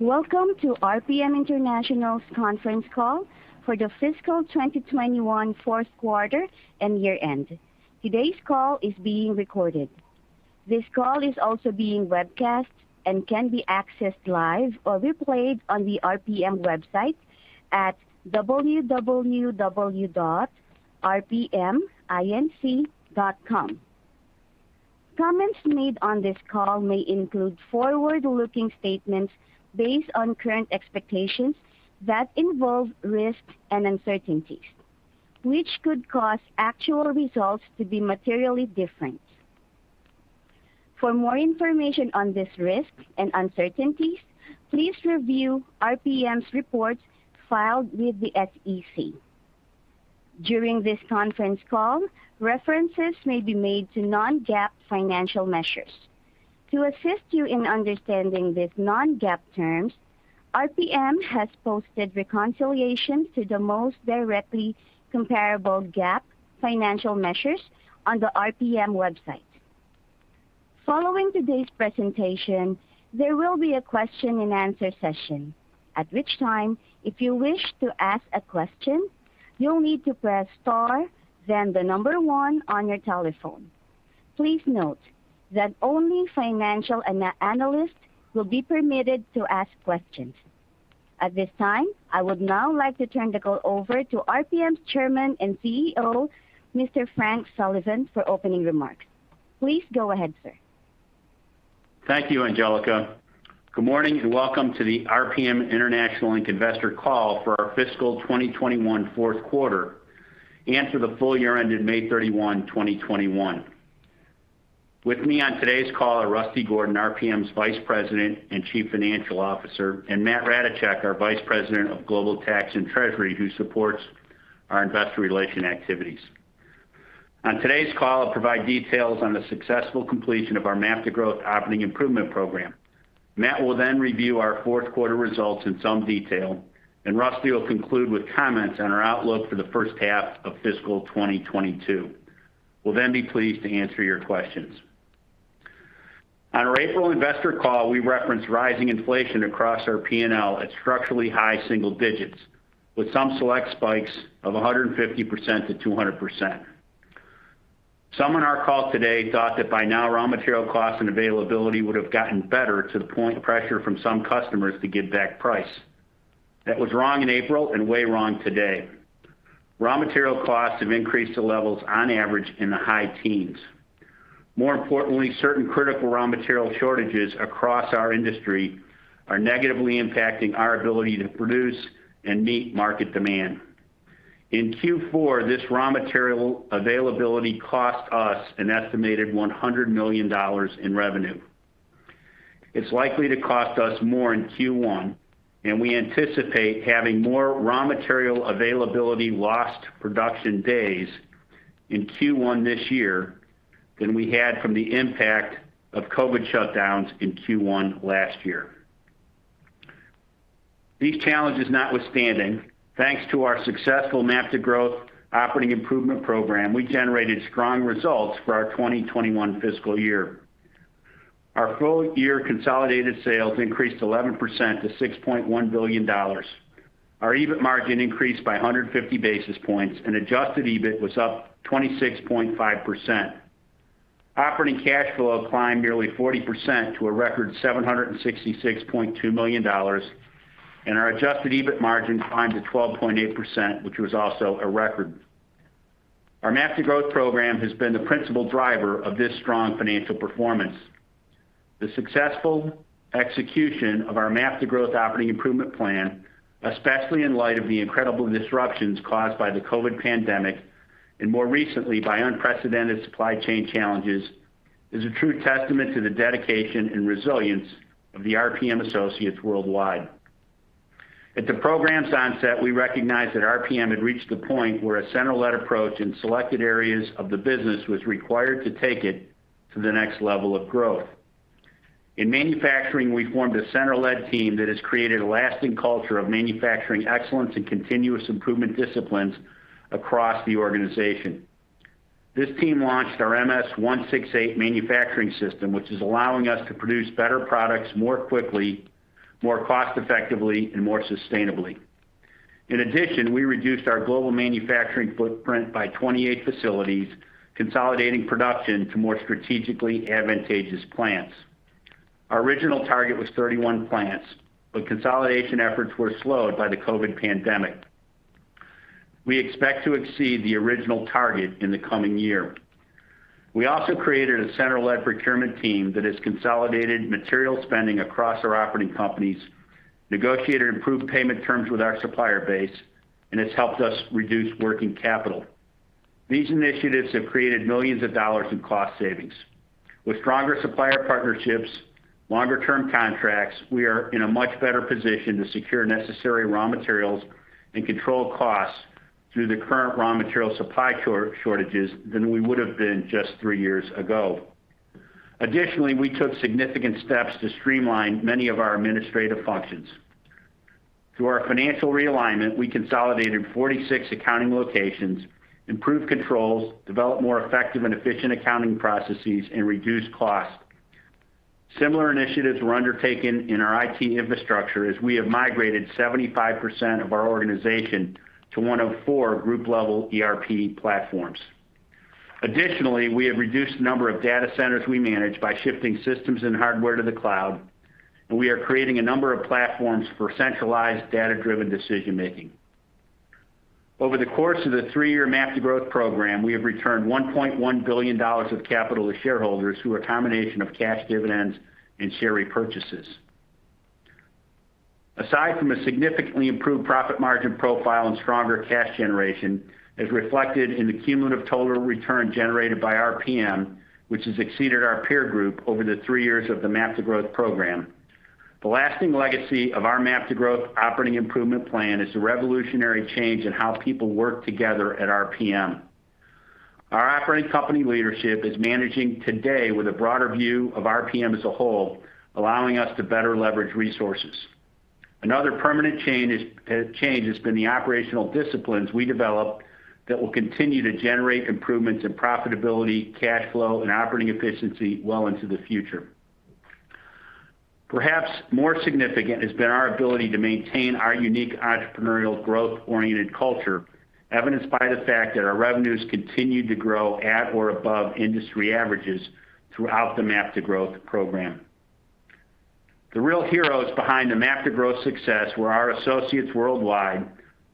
Welcome to RPM International's Conference Call for the Fiscal 2021 Fourth Quarter and Year-End. Today's call is being recorded. This call is also being webcast and can be accessed live or replayed on the RPM website at www.rpminc.com. Comments made on this call may include forward-looking statements based on current expectations that involve risks and uncertainties, which could cause actual results to be materially different. For more information on this risk and uncertainties, please review RPM's reports filed with the SEC. During this conference call, references may be made to non-GAAP financial measures. To assist you in understanding these non-GAAP terms, RPM has posted reconciliation to the most directly comparable GAAP financial measures on the RPM website. Following today's presentation, there will be a question and answer session, at which time, if you wish to ask a question, you'll need to press star, then the number one on your telephone. Please note that only financial analysts will be permitted to ask questions. At this time, I would now like to turn the call over to RPM's Chairman and CEO, Mr. Frank Sullivan, for opening remarks. Please go ahead, sir. Thank you, Angelica. Good morning, welcome to the RPM International Investor Call for our Fiscal 2021 Fourth Quarter and for the Full Year Ended May 31, 2021. With me on today's call are Rusty Gordon, RPM's Vice President and Chief Financial Officer, Matt Ratajczak, our Vice President of Global Tax and Treasury, who supports our investor relations activities. On today's call, I'll provide details on the successful completion of our MAP to Growth operating improvement program. Matt will then review our fourth quarter results in some detail, Rusty will conclude with comments on our outlook for the first half of fiscal 2022. We'll be pleased to answer your questions. On our April investor call, we referenced rising inflation across our P&L at structurally high-single-digits, with some select spikes of 150%-200%. Some on our call today thought that by now, raw material costs and availability would've gotten better to the point pressure from some customers to give back price. That was wrong in April and way wrong today. Raw material costs have increased to levels on average in the high-teens. More importantly, certain critical raw material shortages across our industry are negatively impacting our ability to produce and meet market demand. In Q4, this raw material availability cost us an estimated $100 million in revenue. It's likely to cost us more in Q1, and we anticipate having more raw material availability lost production days in Q1 this year than we had from the impact of COVID shutdowns in Q1 last year. These challenges notwithstanding, thanks to our successful MAP to Growth operating improvement program, we generated strong results for our 2021 fiscal year. Our full-year consolidated sales increased 11% to $6.1 billion. Our EBIT margin increased by 150 basis points, and adjusted EBIT was up 26.5%. Operating cash flow climbed nearly 40% to a record $766.2 million, and our adjusted EBIT margin climbed to 12.8%, which was also a record. Our MAP to Growth program has been the principal driver of this strong financial performance. The successful execution of our MAP to Growth operating improvement plan, especially in light of the incredible disruptions caused by the COVID pandemic, and more recently by unprecedented supply chain challenges, is a true testament to the dedication and resilience of the RPM associates worldwide. At the program's onset, we recognized that RPM had reached the point where a center-led approach in selected areas of the business was required to take it to the next level of growth. In manufacturing, we formed a center-led team that has created a lasting culture of manufacturing excellence and continuous improvement disciplines across the organization. This team launched our MS-168 manufacturing system, which is allowing us to produce better products more quickly, more cost-effectively, and more sustainably. In addition, we reduced our global manufacturing footprint by 28 facilities, consolidating production to more strategically advantageous plants. Our original target was 31 plants, but consolidation efforts were slowed by the COVID pandemic. We expect to exceed the original target in the coming year. We also created a center-led procurement team that has consolidated material spending across our operating companies, negotiated improved payment terms with our supplier base, and has helped us reduce working capital. These initiatives have created millions of dollars in cost savings. With stronger supplier partnerships, longer-term contracts, we are in a much better position to secure necessary raw materials and control costs through the current raw material supply shortages than we would've been just three years ago. Additionally, we took significant steps to streamline many of our administrative functions. Through our financial realignment, we consolidated 46 accounting locations, improved controls, developed more effective and efficient accounting processes, and reduced costs. Similar initiatives were undertaken in our IT infrastructure as we have migrated 75% of our organization to one of four group-level ERP platforms. Additionally, we have reduced the number of data centers we manage by shifting systems and hardware to the cloud, and we are creating a number of platforms for centralized data-driven decision-making. Over the course of the three-year MAP to Growth program, we have returned $1.1 billion of capital to shareholders through a combination of cash dividends and share repurchases. Aside from a significantly improved profit margin profile and stronger cash generation, as reflected in the cumulative total return generated by RPM, which has exceeded our peer group over the three years of the MAP to Growth program. The lasting legacy of our MAP to Growth Operating Improvement Plan is the revolutionary change in how people work together at RPM. Our operating company leadership is managing today with a broader view of RPM as a whole, allowing us to better leverage resources. Another permanent change has been the operational disciplines we developed that will continue to generate improvements in profitability, cash flow, and operating efficiency well into the future. Perhaps more significant has been our ability to maintain our unique entrepreneurial growth-oriented culture, evidenced by the fact that our revenues continued to grow at or above industry averages throughout the MAP to Growth program. The real heroes behind the MAP to Growth success were our associates worldwide,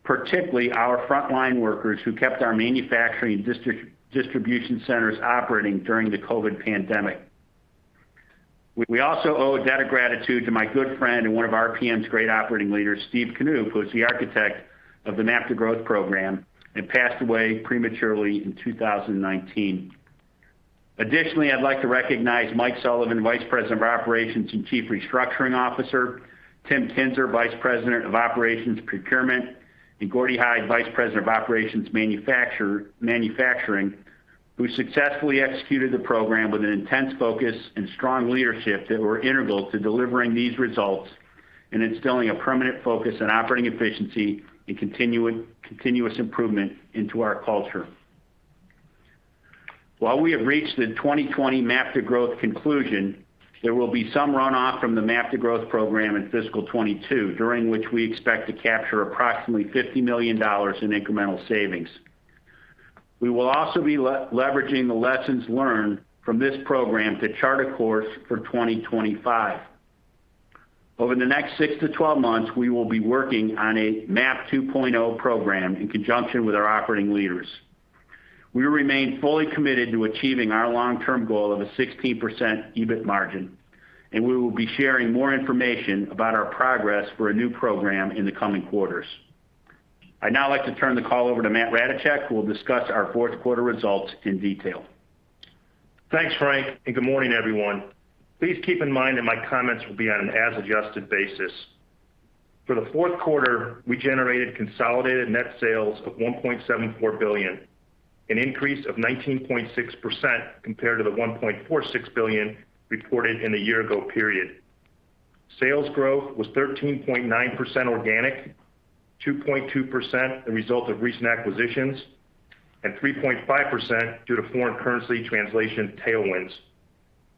particularly our front-line workers who kept our manufacturing distribution centers operating during the COVID pandemic. We also owe a debt of gratitude to my good friend and one of RPM's great operating leaders, Steve Knoop, who was the architect of the MAP to Growth program and passed away prematurely in 2019. Additionally, I'd like to recognize Mike Sullivan, Vice President of Operations and Chief Restructuring Officer, Tim Kinser, Vice President of Operations and Procurement, and Gordie Hyde, Vice President of Operations and Manufacturing, who successfully executed the program with an intense focus and strong leadership that were integral to delivering these results and instilling a permanent focus on operating efficiency and continuous improvement into our culture. While we have reached the 2020 MAP to Growth conclusion, there will be some runoff from the MAP to Growth program in fiscal 2022, during which we expect to capture approximately $50 million in incremental savings. We will also be leveraging the lessons learned from this program to chart a course for 2025. Over the next 6 to 12 months, we will be working on a MAP 2.0 program in conjunction with our operating leaders. We remain fully committed to achieving our long-term goal of a 16% EBIT margin, and we will be sharing more information about our progress for a new program in the coming quarters. I'd now like to turn the call over to Matt Ratajczak, who will discuss our fourth quarter results in detail. Thanks, Frank. Good morning, everyone. Please keep in mind that my comments will be on an as-adjusted basis. For the fourth quarter, we generated consolidated net sales of $1.74 billion, an increase of 19.6% compared to the $1.46 billion reported in the year-ago period. Sales growth was 13.9% organic, 2.2% the result of recent acquisitions, 3.5% due to foreign currency translation tailwinds.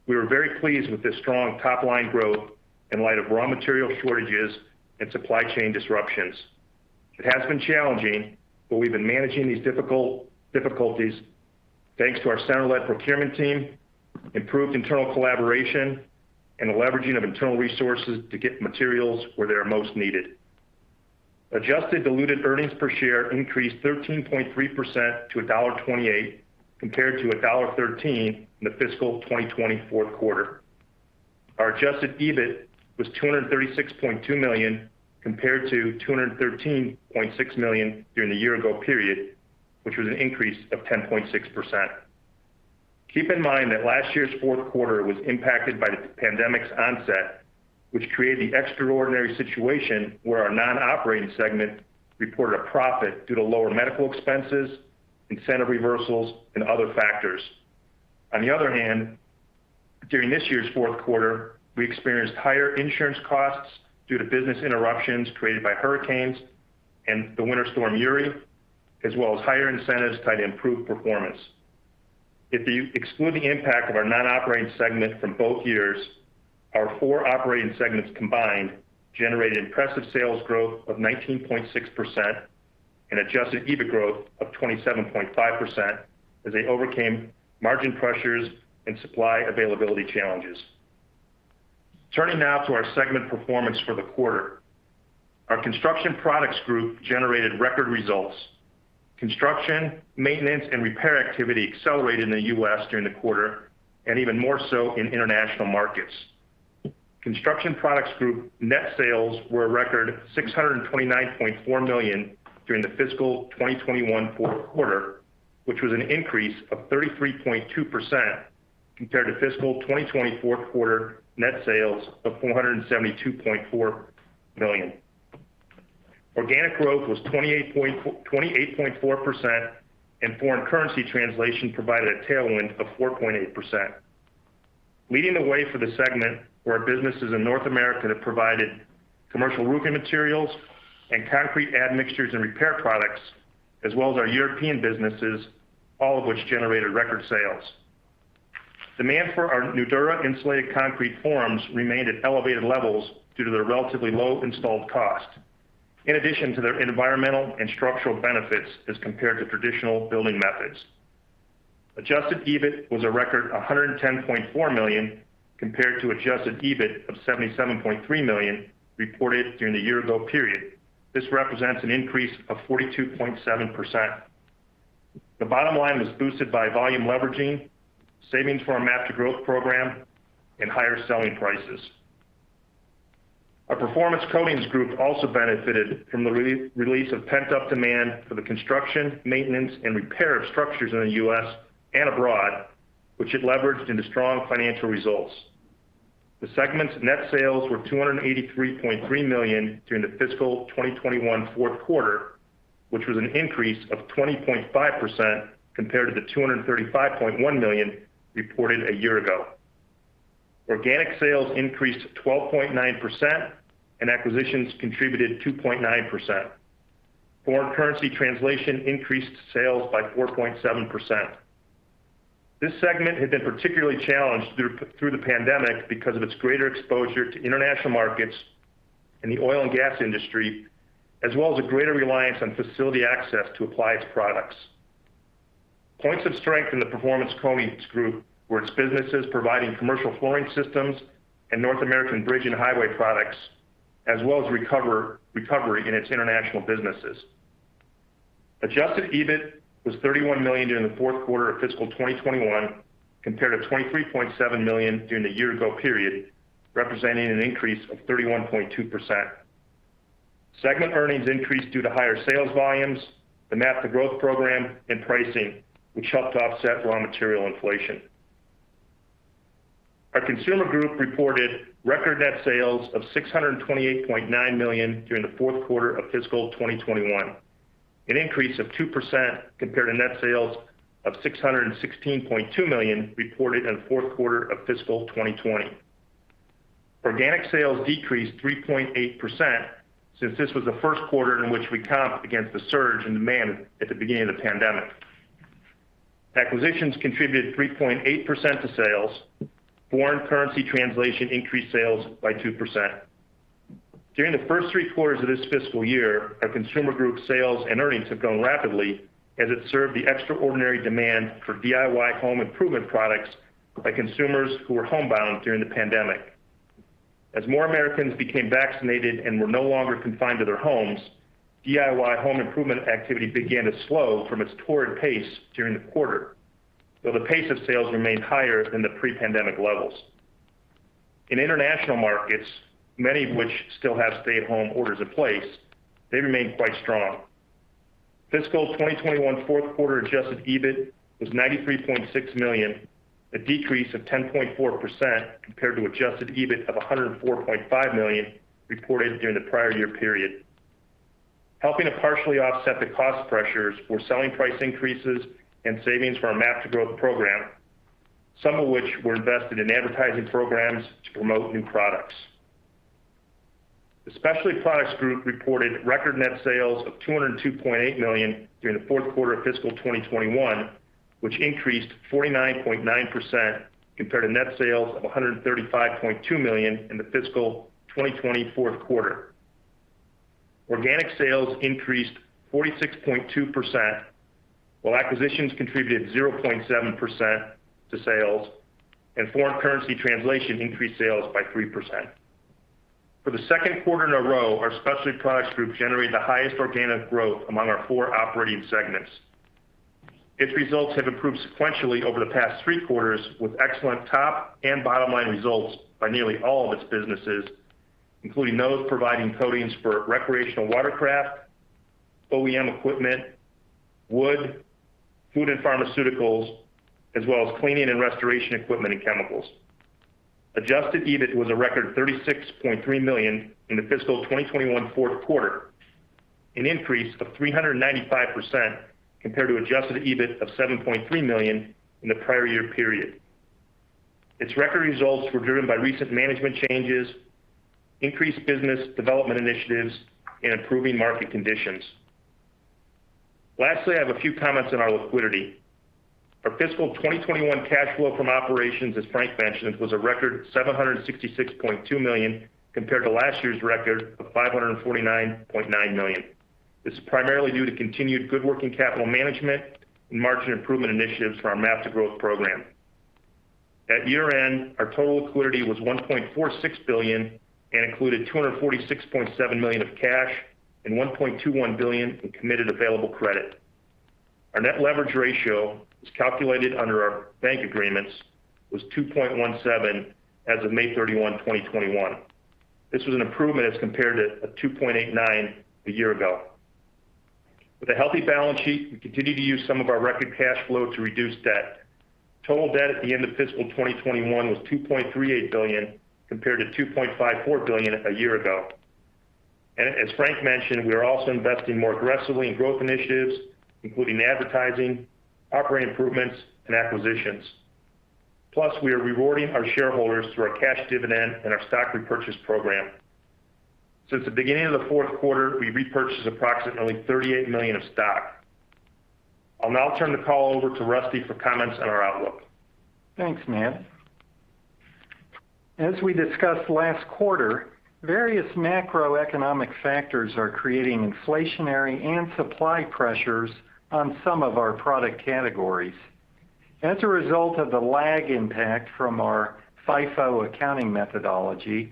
We were very pleased with this strong top-line growth in light of raw material shortages and supply chain disruptions. It has been challenging, we've been managing these difficulties thanks to our center-led procurement team, improved internal collaboration, and the leveraging of internal resources to get materials where they are most needed. Adjusted diluted earnings per share increased 13.3% to $1.28 compared to $1.13 in the fiscal 2020 fourth quarter. Our adjusted EBIT was $236.2 million compared to $213.6 million during the year ago period, which was an increase of 10.6%. Keep in mind that last year's fourth quarter was impacted by the pandemic's onset, which created the extraordinary situation where our non-operating segment reported a profit due to lower medical expenses, incentive reversals, and other factors. On the other hand, during this year's fourth quarter, we experienced higher insurance costs due to business interruptions created by hurricanes and the winter storm Uri, as well as higher incentives tied to improved performance. If you exclude the impact of our non-operating segment from both years, our four operating segments combined generated impressive sales growth of 19.6% and adjusted EBIT growth of 27.5% as they overcame margin pressures and supply availability challenges. Turning now to our segment performance for the quarter. Our Construction Products Group generated record results. Construction, maintenance, and repair activity accelerated in the U.S. during the quarter, and even more so in international markets. Construction Products Group net sales were a record $629.4 million during the fiscal 2021 fourth quarter, which was an increase of 33.2% compared to fiscal 2020 fourth quarter net sales of $472.4 million. Organic growth was 28.4%, foreign currency translation provided a tailwind of 4.8%. Leading the way for the segment were our businesses in North America that provided commercial roofing materials and concrete admixtures and repair products, as well as our European businesses, all of which generated record sales. Demand for our NUDURA insulated concrete forms remained at elevated levels due to their relatively low installed cost, in addition to their environmental and structural benefits as compared to traditional building methods. Adjusted EBIT was a record $110.4 million compared to adjusted EBIT of $77.3 million reported during the year-ago period. This represents an increase of 42.7%. The bottom-line was boosted by volume leveraging, savings from our MAP to Growth program, and higher selling prices. Our Performance Coatings Group also benefited from the release of pent-up demand for the construction, maintenance, and repair of structures in the U.S. and abroad, which it leveraged into strong financial results. The segment's net sales were $283.3 million during the fiscal 2021 fourth quarter, which was an increase of 20.5% compared to the $235.1 million reported a year ago. Organic sales increased 12.9% and acquisitions contributed 2.9%. Foreign currency translation increased sales by 4.7%. This segment had been particularly challenged through the pandemic because of its greater exposure to international markets in the oil and gas industry, as well as a greater reliance on facility access to apply its products. Points of strength in the Performance Coatings Group were its businesses providing commercial flooring systems and North American bridge and highway products, as well as recovery in its international businesses. Adjusted EBIT was $31 million during the fourth quarter of fiscal 2021, compared to $23.7 million during the year-ago period, representing an increase of 31.2%. Segment earnings increased due to higher sales volumes, the MAP to Growth program, and pricing, which helped to offset raw material inflation. Our Consumer Group reported record net sales of $628.9 million during the fourth quarter of fiscal 2021, an increase of 2% compared to net sales of $616.2 million reported in the fourth quarter of fiscal 2020. Organic sales decreased 3.8% since this was the first quarter in which we comped against the surge in demand at the beginning of the pandemic. Acquisitions contributed 3.8% to sales. Foreign currency translation increased sales by 2%. During the first three quarters of this fiscal year, our Consumer Group sales and earnings have grown rapidly as it served the extraordinary demand for DIY home improvement products by consumers who were homebound during the pandemic. As more Americans became vaccinated and were no longer confined to their homes, DIY home improvement activity began to slow from its torrid pace during the quarter, though the pace of sales remained higher than the pre-pandemic levels. In international markets, many of which still have stay-at-home orders in place, they remained quite strong. Fiscal 2021 fourth quarter adjusted EBIT was $93.6 million, a decrease of 10.4% compared to adjusted EBIT of $104.5 million reported during the prior-year period. Helping to partially offset the cost pressures were selling price increases and savings from our MAP to Growth program, some of which were invested in advertising programs to promote new products. The Specialty Products Group reported record net sales of $202.8 million during the fourth quarter of fiscal 2021, which increased 49.9% compared to net sales of $135.2 million in the fiscal 2020 fourth quarter. Organic sales increased 46.2%, while acquisitions contributed 0.7% to sales, and foreign currency translation increased sales by 3%. For the second quarter in a row, our Specialty Products Group generated the highest organic growth among our four operating segments. Its results have improved sequentially over the past three quarters, with excellent top and bottom-line results by nearly all of its businesses, including those providing coatings for recreational watercraft, OEM equipment, wood, food and pharmaceuticals, as well as cleaning and restoration equipment and chemicals. Adjusted EBIT was a record $36.3 million in the fiscal 2021 fourth quarter, an increase of 395% compared to adjusted EBIT of $7.3 million in the prior-year period. Its record results were driven by recent management changes, increased business development initiatives, and improving market conditions. Lastly, I have a few comments on our liquidity. Our fiscal 2021 cash flow from operations, as Frank mentioned, was a record $766.2 million, compared to last year's record of $549.9 million. This is primarily due to continued good working capital management and margin improvement initiatives from our MAP to Growth program. At year-end, our total liquidity was $1.46 billion and included $246.7 million of cash and $1.21 billion in committed available credit. Our net leverage ratio, as calculated under our bank agreements, was 2.17 as of May 31, 2021. This was an improvement as compared to a 2.89 a year ago. With a healthy balance sheet, we continue to use some of our record cash flow to reduce debt. Total debt at the end of fiscal 2021 was $2.38 billion, compared to $2.54 billion a year ago. As Frank mentioned, we are also investing more aggressively in growth initiatives, including advertising, operating improvements, and acquisitions. Plus, we are rewarding our shareholders through our cash dividend and our stock repurchase program. Since the beginning of the fourth quarter, we repurchased approximately $38 million of stock. I'll now turn the call over to Rusty for comments on our outlook. Thanks, Matt. As we discussed last quarter, various macroeconomic factors are creating inflationary and supply pressures on some of our product categories. As a result of the lag impact from our FIFO accounting methodology,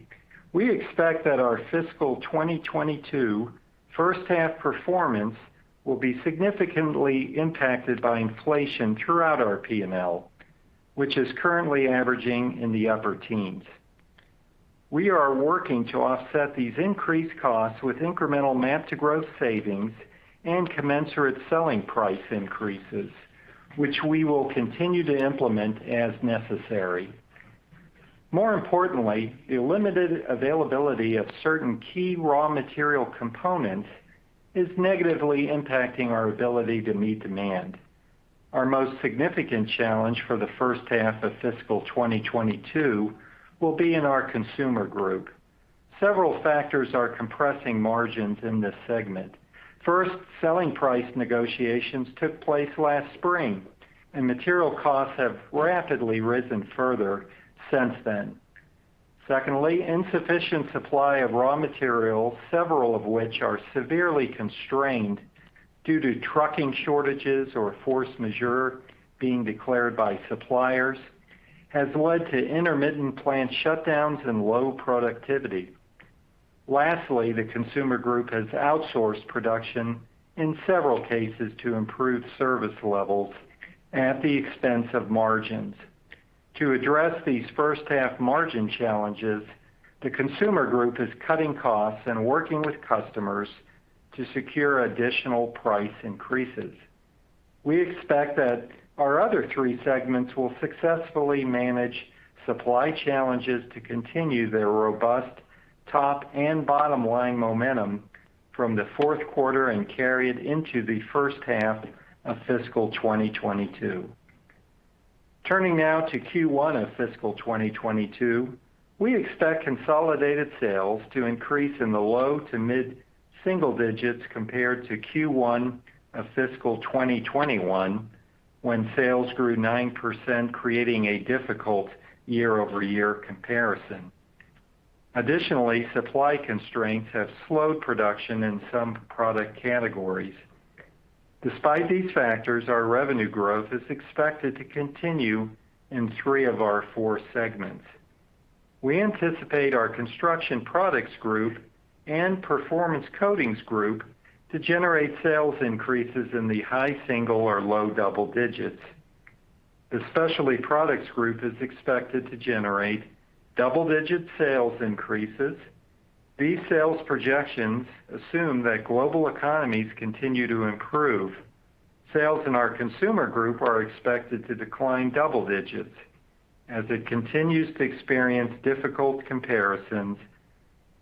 we expect that our fiscal 2022 first-half performance will be significantly impacted by inflation throughout our P&L, which is currently averaging in the upper teens. We are working to offset these increased costs with incremental MAP to Growth savings and commensurate selling price increases, which we will continue to implement as necessary. More importantly, the limited availability of certain key raw material components is negatively impacting our ability to meet demand. Our most significant challenge for the first half of fiscal 2022 will be in our Consumer Group. Several factors are compressing margins in this segment. First, selling price negotiations took place last spring, and material costs have rapidly risen further since then. Insufficient supply of raw materials, several of which are severely constrained due to trucking shortages or force majeure being declared by suppliers, has led to intermittent plant shutdowns and low productivity. The Consumer Group has outsourced production in several cases to improve service levels at the expense of margins. To address these first-half margin challenges, the Consumer Group is cutting costs and working with customers to secure additional price increases. We expect that our other three segments will successfully manage supply challenges to continue their robust top and bottom-line momentum from the fourth quarter and carry it into the first half of fiscal 2022. Turning now to Q1 of fiscal 2022. We expect consolidated sales to increase in the low to mid-single-digits compared to Q1 of fiscal 2021, when sales grew 9%, creating a difficult year-over-year comparison. Supply constraints have slowed production in some product categories. Despite these factors, our revenue growth is expected to continue in three of our four segments. We anticipate our Construction Products Group and Performance Coatings Group to generate sales increases in the high-single or low-double-digits. The Specialty Products Group is expected to generate double-digit sales increases. These sales projections assume that global economies continue to improve. Sales in our Consumer Group are expected to decline double digits as it continues to experience difficult comparisons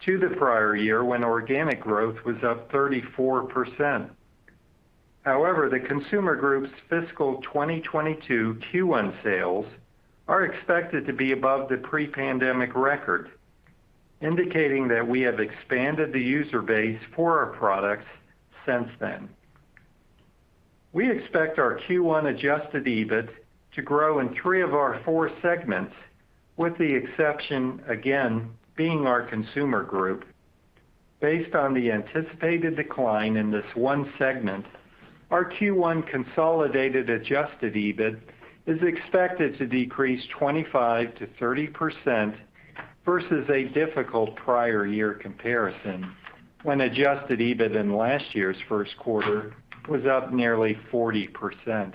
to the prior-year, when organic growth was up 34%. However, the Consumer Group's fiscal 2022 Q1 sales are expected to be above the pre-pandemic record, indicating that we have expanded the user base for our products since then. We expect our Q1 adjusted EBIT to grow in three of our four segments, with the exception, again, being our Consumer Group. Based on the anticipated decline in this one segment, our Q1 consolidated adjusted EBIT is expected to decrease 25%-30% versus a difficult prior-year comparison, when adjusted EBIT in last year's first quarter was up nearly 40%.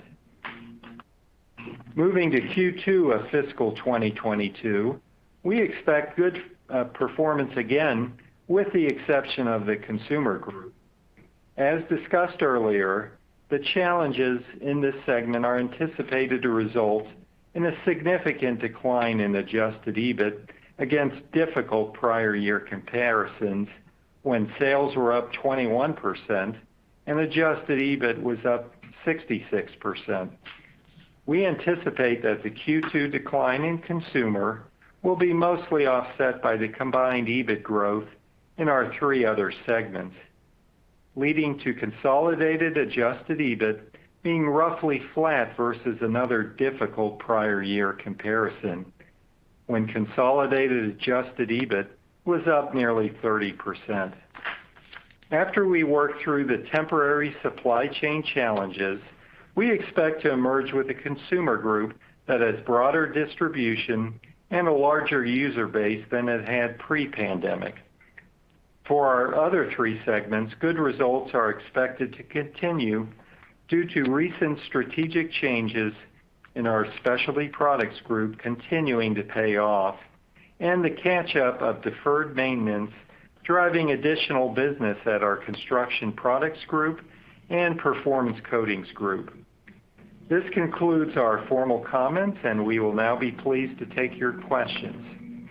Moving to Q2 of fiscal 2022, we expect good performance again, with the exception of the Consumer Group. As discussed earlier, the challenges in this segment are anticipated to result in a significant decline in adjusted EBIT against difficult prior-year comparisons, when sales were up 21% and adjusted EBIT was up 66%. We anticipate that the Q2 decline in consumer will be mostly offset by the combined EBIT growth in our three other segments, leading to consolidated adjusted EBIT being roughly flat versus another difficult prior-year comparison, when consolidated adjusted EBIT was up nearly 30%. After we work through the temporary supply chain challenges, we expect to emerge with a Consumer Group that has broader distribution and a larger user base than it had pre-pandemic. For our other three segments, good results are expected to continue due to recent strategic changes in our Specialty Products Group continuing to pay off and the catch-up of deferred maintenance driving additional business at our Construction Products Group and Performance Coatings Group. This concludes our formal comments, and we will now be pleased to take your questions.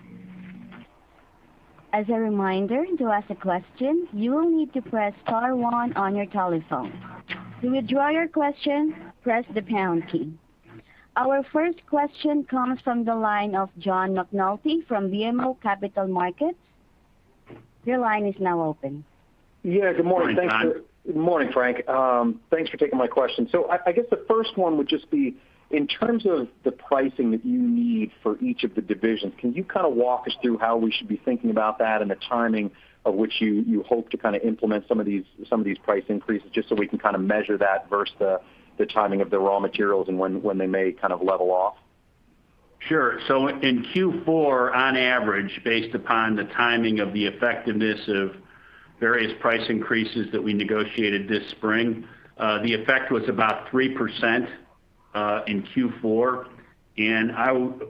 As a reminder, to ask a question, you will need to press star one on your telephone. To withdraw your question, press the pound key. Our first question comes from the line of John McNulty from BMO Capital Markets. Your line is now open. Yeah, good morning. Morning, John. Good morning, Frank. Thanks for taking my question. I guess the first one would just be, in terms of the pricing that you need for each of the divisions, can you kind of walk us through how we should be thinking about that and the timing of which you hope to implement some of these price increases, just so we can measure that versus the timing of the raw materials and when they may kind of level off? Sure. In Q4, on average, based upon the timing of the effectiveness of various price increases that we negotiated this spring, the effect was about 3% in Q4.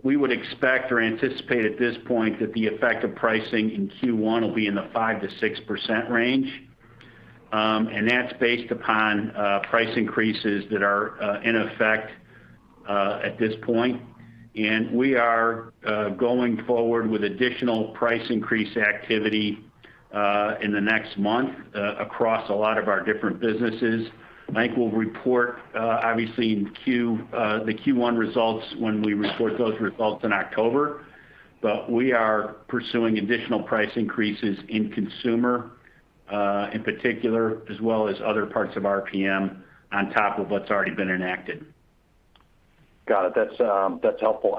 We would expect or anticipate at this point that the effect of pricing in Q1 will be in the 5%-6% range. That's based upon price increases that are in effect at this point. We are going forward with additional price increase activity in the next month across a lot of our different businesses. Mike will report, obviously, the Q1 results when we report those results in October. We are pursuing additional price increases in Consumer, in particular, as well as other parts of RPM on top of what's already been enacted. Got it. That's helpful.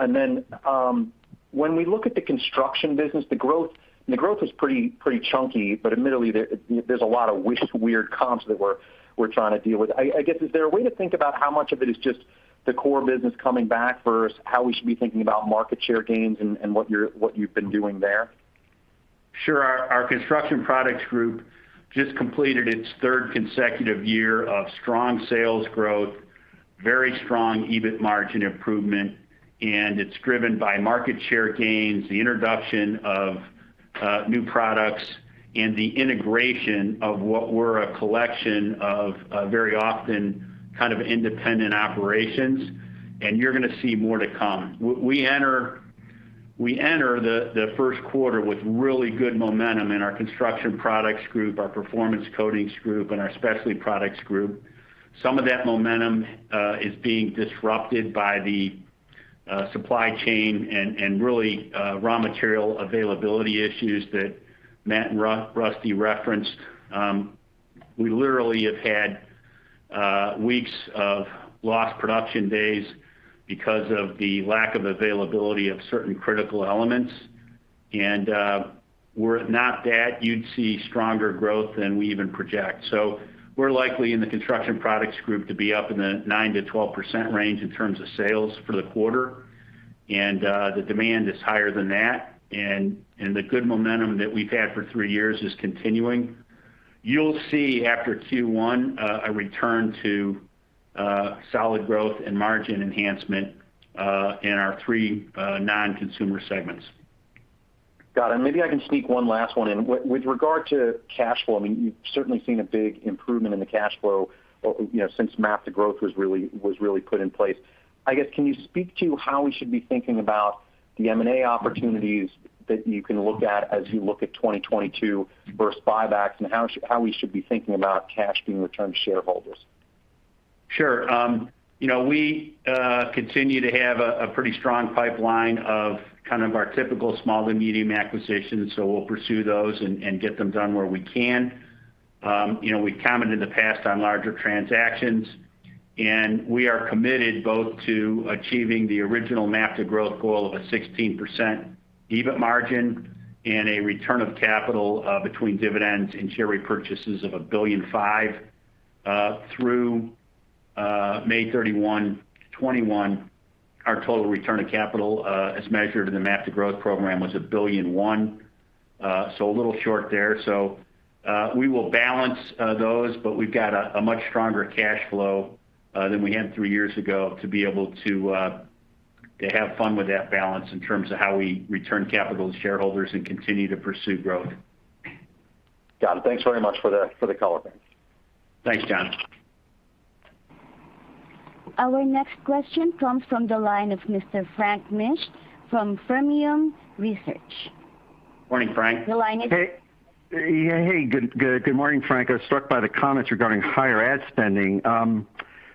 When we look at the construction business, the growth is pretty chunky, but admittedly, there's a lot of weird comps that we're trying to deal with. I guess, is there a way to think about how much of it is just the core business coming back versus how we should be thinking about market share gains and what you've been doing there? Sure. Our Construction Products Group just completed its third consecutive year of strong sales growth, very strong EBIT margin improvement, and it's driven by market share gains, the introduction of new products, and the integration of what were a collection of very often kind of independent operations, and you're going to see more to come. We enter the first quarter with really good momentum in our Construction Products Group, our Performance Coatings Group, and our Specialty Products Group. Some of that momentum is being disrupted by the supply chain and really raw material availability issues that Matt and Rusty referenced. We literally have had weeks of lost production days because of the lack of availability of certain critical elements. Were it not that, you'd see stronger growth than we even project. We're likely, in the Construction Products Group, to be up in the 9%-12% range in terms of sales for the quarter. The demand is higher than that, and the good momentum that we've had for three years is continuing. You'll see, after Q1, a return to solid growth and margin enhancement in our three non-consumer segments. Got it. Maybe I can sneak one last one in. With regard to cash flow, I mean, you've certainly seen a big improvement in the cash flow since MAP to Growth was really put in place. I guess, can you speak to how we should be thinking about the M&A opportunities that you can look at as you look at 2022 versus buybacks, and how we should be thinking about cash being returned to shareholders? Sure. We continue to have a pretty strong pipeline of kind of our typical small to medium acquisitions, so we'll pursue those and get them done where we can. We've commented in the past on larger transactions, and we are committed both to achieving the original MAP to Growth goal of a 16% EBIT margin and a return of capital between dividends and share repurchases of $1.5 billion. Through May 31, 2021, our total return of capital, as measured in the MAP to Growth program, was $1.1 billion, so a little short there. We will balance those, but we've got a much stronger cash flow than we had three years ago to be able to have fun with that balance in terms of how we return capital to shareholders and continue to pursue growth. Got it. Thanks very much for the color. Thanks, John. Our next question comes from the line of Mr. Frank Mitsch from Fermium Research. Morning, Frank. Your line is. Hey. Yeah, hey. Good morning, Frank. I was struck by the comments regarding higher ad spending.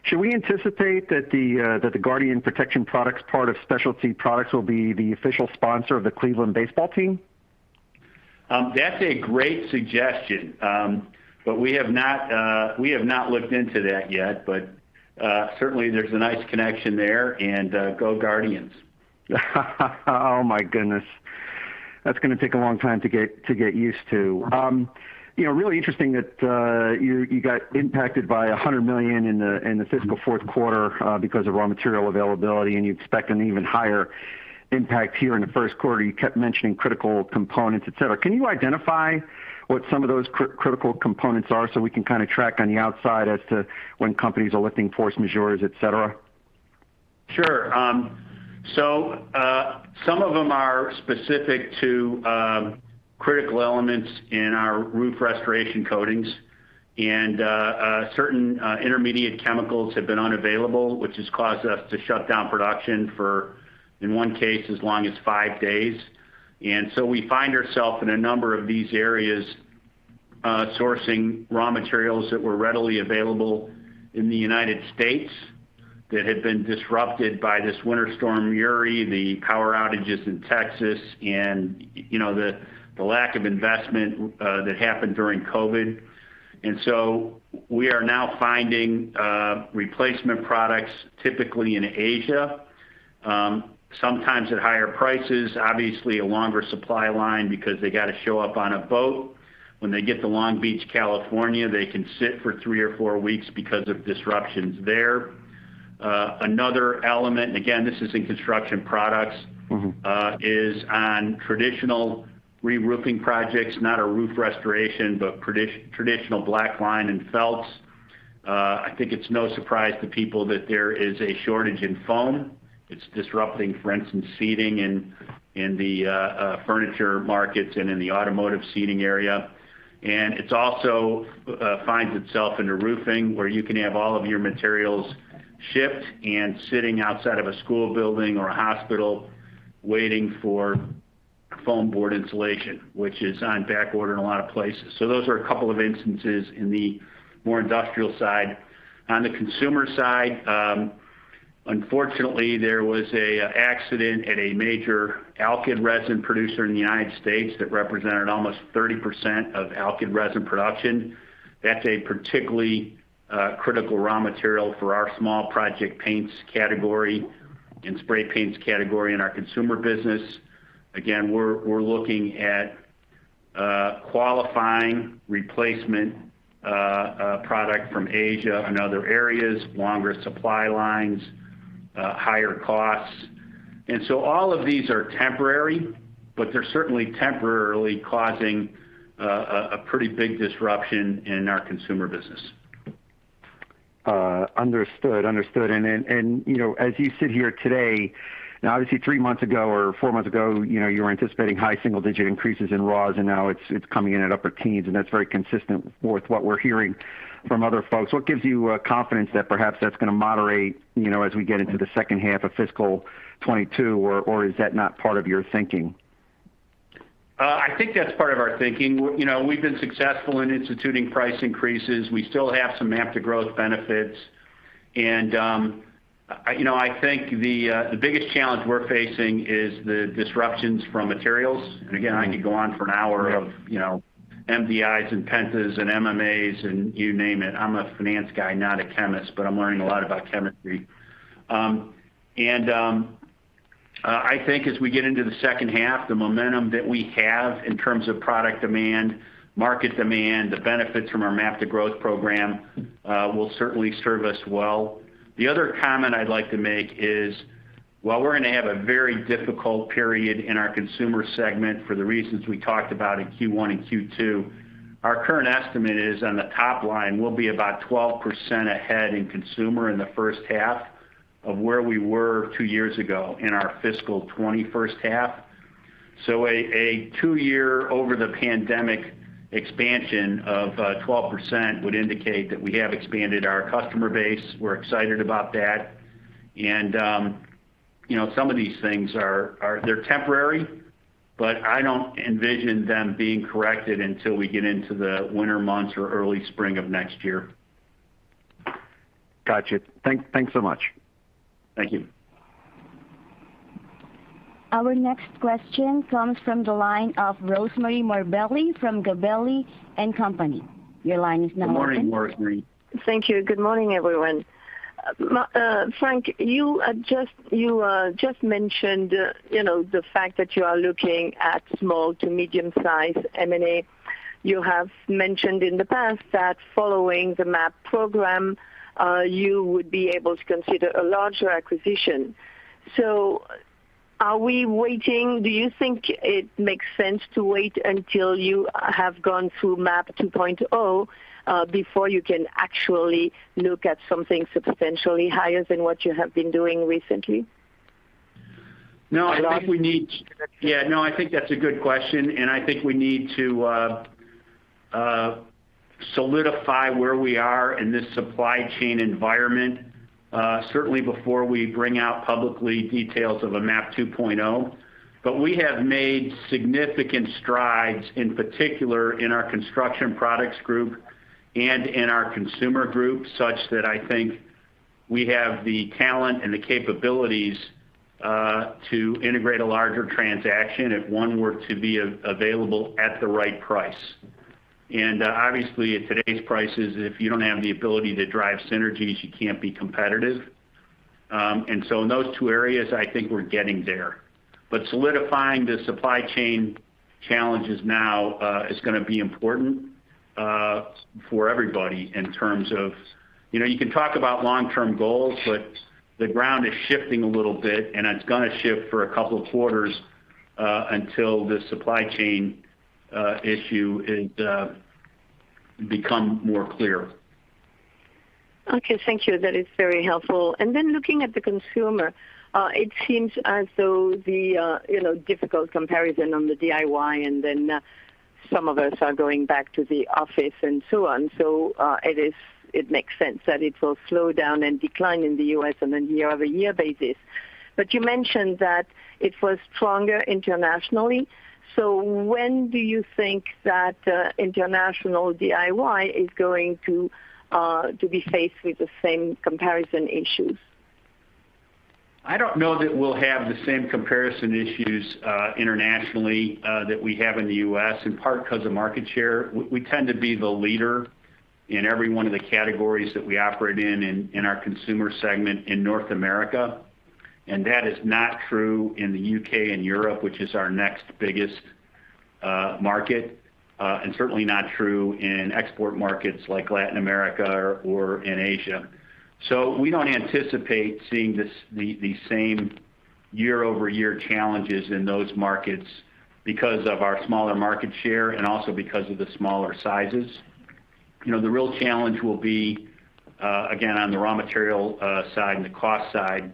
Should we anticipate that the Guardian Protection Products part of Specialty Products will be the official sponsor of the Cleveland baseball team? That's a great suggestion. We have not looked into that yet. Certainly, there's a nice connection there, and go Guardians. Oh my goodness. That's going to take a long time to get used to. Really interesting that you got impacted by $100 million in the fiscal fourth quarter because of raw material availability, and you expect an even higher impact here in the first quarter. You kept mentioning critical components, et cetera. Can you identify what some of those critical components are so we can kind of track on the outside as to when companies are lifting force majeures, etc? Sure. Some of them are specific to critical elements in our roof restoration coatings and certain intermediate chemicals have been unavailable, which has caused us to shut down production for, in one case, as long as five days. We find ourselves in a number of these areas sourcing raw materials that were readily available in the U.S. that had been disrupted by this winter storm, Uri, the power outages in Texas, and the lack of investment that happened during COVID. We are now finding replacement products typically in Asia, sometimes at higher prices, obviously a longer supply line because they got to show up on a boat. When they get to Long Beach, California, they can sit for three or four weeks because of disruptions there. Another element, again, this is in Construction Products Group is on traditional reroofing projects, not a roof restoration, but traditional [black line] and felts. I think it's no surprise to people that there is a shortage in foam. It's disrupting, for instance, seating in the furniture markets and in the automotive seating area. It also finds itself into roofing, where you can have all of your materials shipped and sitting outside of a school building or a hospital waiting for foam board insulation, which is on back order in a lot of places. Those are a couple of instances in the more industrial side. On the consumer side, unfortunately, there was an accident at a major alkyd resin producer in the United States that represented almost 30% of alkyd resin production. That's a particularly critical raw material for our small project paints category and spray paints category in our Consumer business. We're looking at qualifying replacement product from Asia and other areas, longer supply lines, higher costs. All of these are temporary, but they're certainly temporarily causing a pretty big disruption in our Consumer business. Understood. As you sit here today, now obviously three months ago or four months ago, you were anticipating high single-digit increases in raws, and now it's coming in at upper-teens, and that's very consistent with what we're hearing from other folks. What gives you confidence that perhaps that's going to moderate as we get into the second half of fiscal 2022, or is that not part of your thinking? I think that's part of our thinking. We've been successful in instituting price increases. We still have some MAP to Growth benefits. I think the biggest challenge we're facing is the disruptions from materials. Again, I could go on for an hour of MDIs and pentas and MMAs and you name it. I'm a finance guy, not a chemist, but I'm learning a lot about chemistry. I think as we get into the second half, the momentum that we have in terms of product demand, market demand, the benefits from our MAP to Growth program will certainly serve us well. The other comment I'd like to make is, while we're going to have a very difficult period in our Consumer segment for the reasons we talked about in Q1 and Q2, our current estimate is on the top-line, we'll be about 12% ahead in consumer in the first half of where we were two years ago in our fiscal 2020 first half. A two-year over the pandemic expansion of 12% would indicate that we have expanded our customer base. We're excited about that. Some of these things are temporary, but I don't envision them being corrected until we get into the winter months or early spring of next year. Got you. Thanks so much. Thank you. Our next question comes from the line of Rosemarie Morbelli from Gabelli & Company. Your line is now open. Morning, Rosemarie. Thank you. Good morning, everyone. Frank, you just mentioned the fact that you are looking at small to medium-sized M&A. You have mentioned in the past that following the MAP program, you would be able to consider a larger acquisition. Are we waiting? Do you think it makes sense to wait until you have gone through MAP 2.0 before you can actually look at something substantially higher than what you have been doing recently? Yeah, no, I think that's a good question, and I think we need to solidify where we are in this supply chain environment, certainly before we bring out publicly details of a MAP 2.0. We have made significant strides, in particular in our Construction Products Group and in our Consumer Group, such that I think we have the talent and the capabilities to integrate a larger transaction if one were to be available at the right price. Obviously at today's prices, if you don't have the ability to drive synergies, you can't be competitive. So in those two areas, I think we're getting there. Solidifying the supply chain challenges now is going to be important for everybody in terms of. You can talk about long-term goals, but the ground is shifting a little bit, and it's going to shift for a couple of quarters until the supply chain issue becomes more clear. Okay, thank you. That is very helpful. Looking at the consumer, it seems as though the difficult comparison on the DIY and then some of us are going back to the office and so on. It makes sense that it will slow down and decline in the U.S. on a year-over-year basis. You mentioned that it was stronger internationally. When do you think that international DIY is going to be faced with the same comparison issues? I don't know that we'll have the same comparison issues internationally that we have in the U.S., in part because of market share. We tend to be the leader in every one of the categories that we operate in our Consumer segment in North America, and that is not true in the U.K. and Europe, which is our next biggest market, and certainly not true in export markets like Latin America or in Asia. We don't anticipate seeing the same year-over-year challenges in those markets because of our smaller market share and also because of the smaller sizes. The real challenge will be again, on the raw material side and the cost side.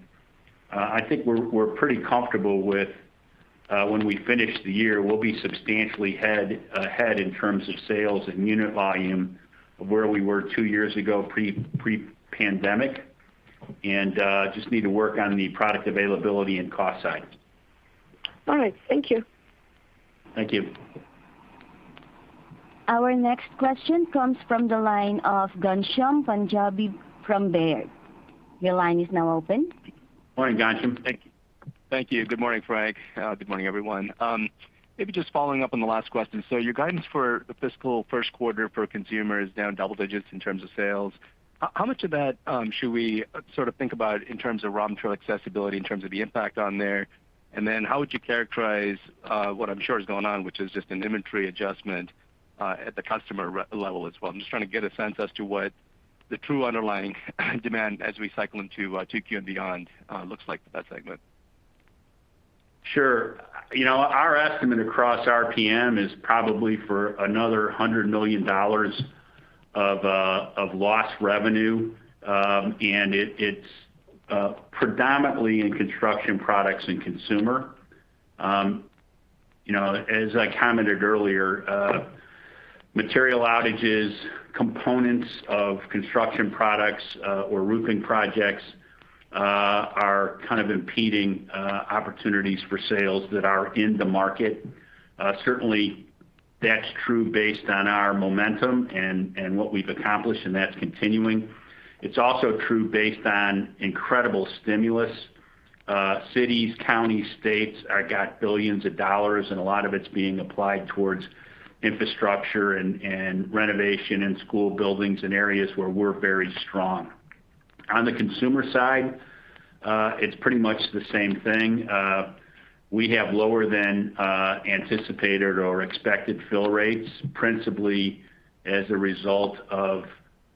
I think we're pretty comfortable with when we finish the year, we'll be substantially ahead in terms of sales and unit volume of where we were two years ago pre-pandemic. Just need to work on the product availability and cost side. All right. Thank you. Thank you. Our next question comes from the line of Ghansham Panjabi from Baird. Your line is now open. Morning, Ghansham. Thank you. Good morning, Frank. Good morning, everyone. Maybe just following-up on the last question. Your guidance for the fiscal first quarter for Consumer is down double-digits in terms of sales. How much of that should we think about in terms of raw material accessibility, in terms of the impact on there? How would you characterize what I'm sure is going on, which is just an inventory adjustment at the customer level as well? I'm just trying to get a sense as to what the true underlying demand as we cycle into 2Q and beyond looks like for that segment. Sure. Our estimate across RPM is probably for another $100 million of lost revenue. It's predominantly in construction products and consumer. As I commented earlier, material outages, components of construction products or roofing projects are kind of impeding opportunities for sales that are in the market. Certainly, that's true based on our momentum and what we've accomplished. That's continuing. It's also true based on incredible stimulus. Cities, counties, states got billions of dollars. A lot of it's being applied towards infrastructure and renovation and school buildings in areas where we're very strong. On the consumer side, it's pretty much the same thing. We have lower than anticipated or expected fill rates, principally as a result of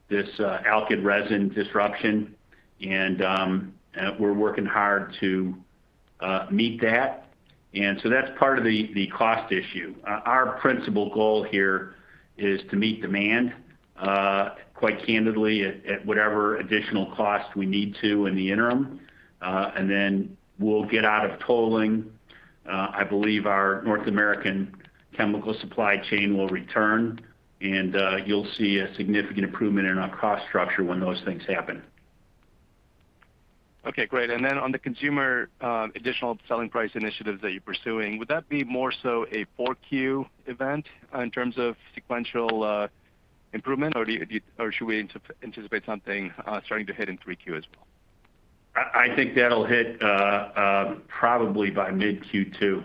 this alkyd resin disruption. We're working hard to meet that. That's part of the cost issue. Our principal goal here is to meet demand, quite candidly, at whatever additional cost we need to in the interim. Then we'll get out of tolling. I believe our North American chemical supply chain will return, and you'll see a significant improvement in our cost structure when those things happen. Okay, great. On the Consumer additional selling price initiatives that you're pursuing, would that be more so a 4Q event in terms of sequential improvement, or should we anticipate something starting to hit in 3Q as well? I think that'll hit probably by mid-Q2.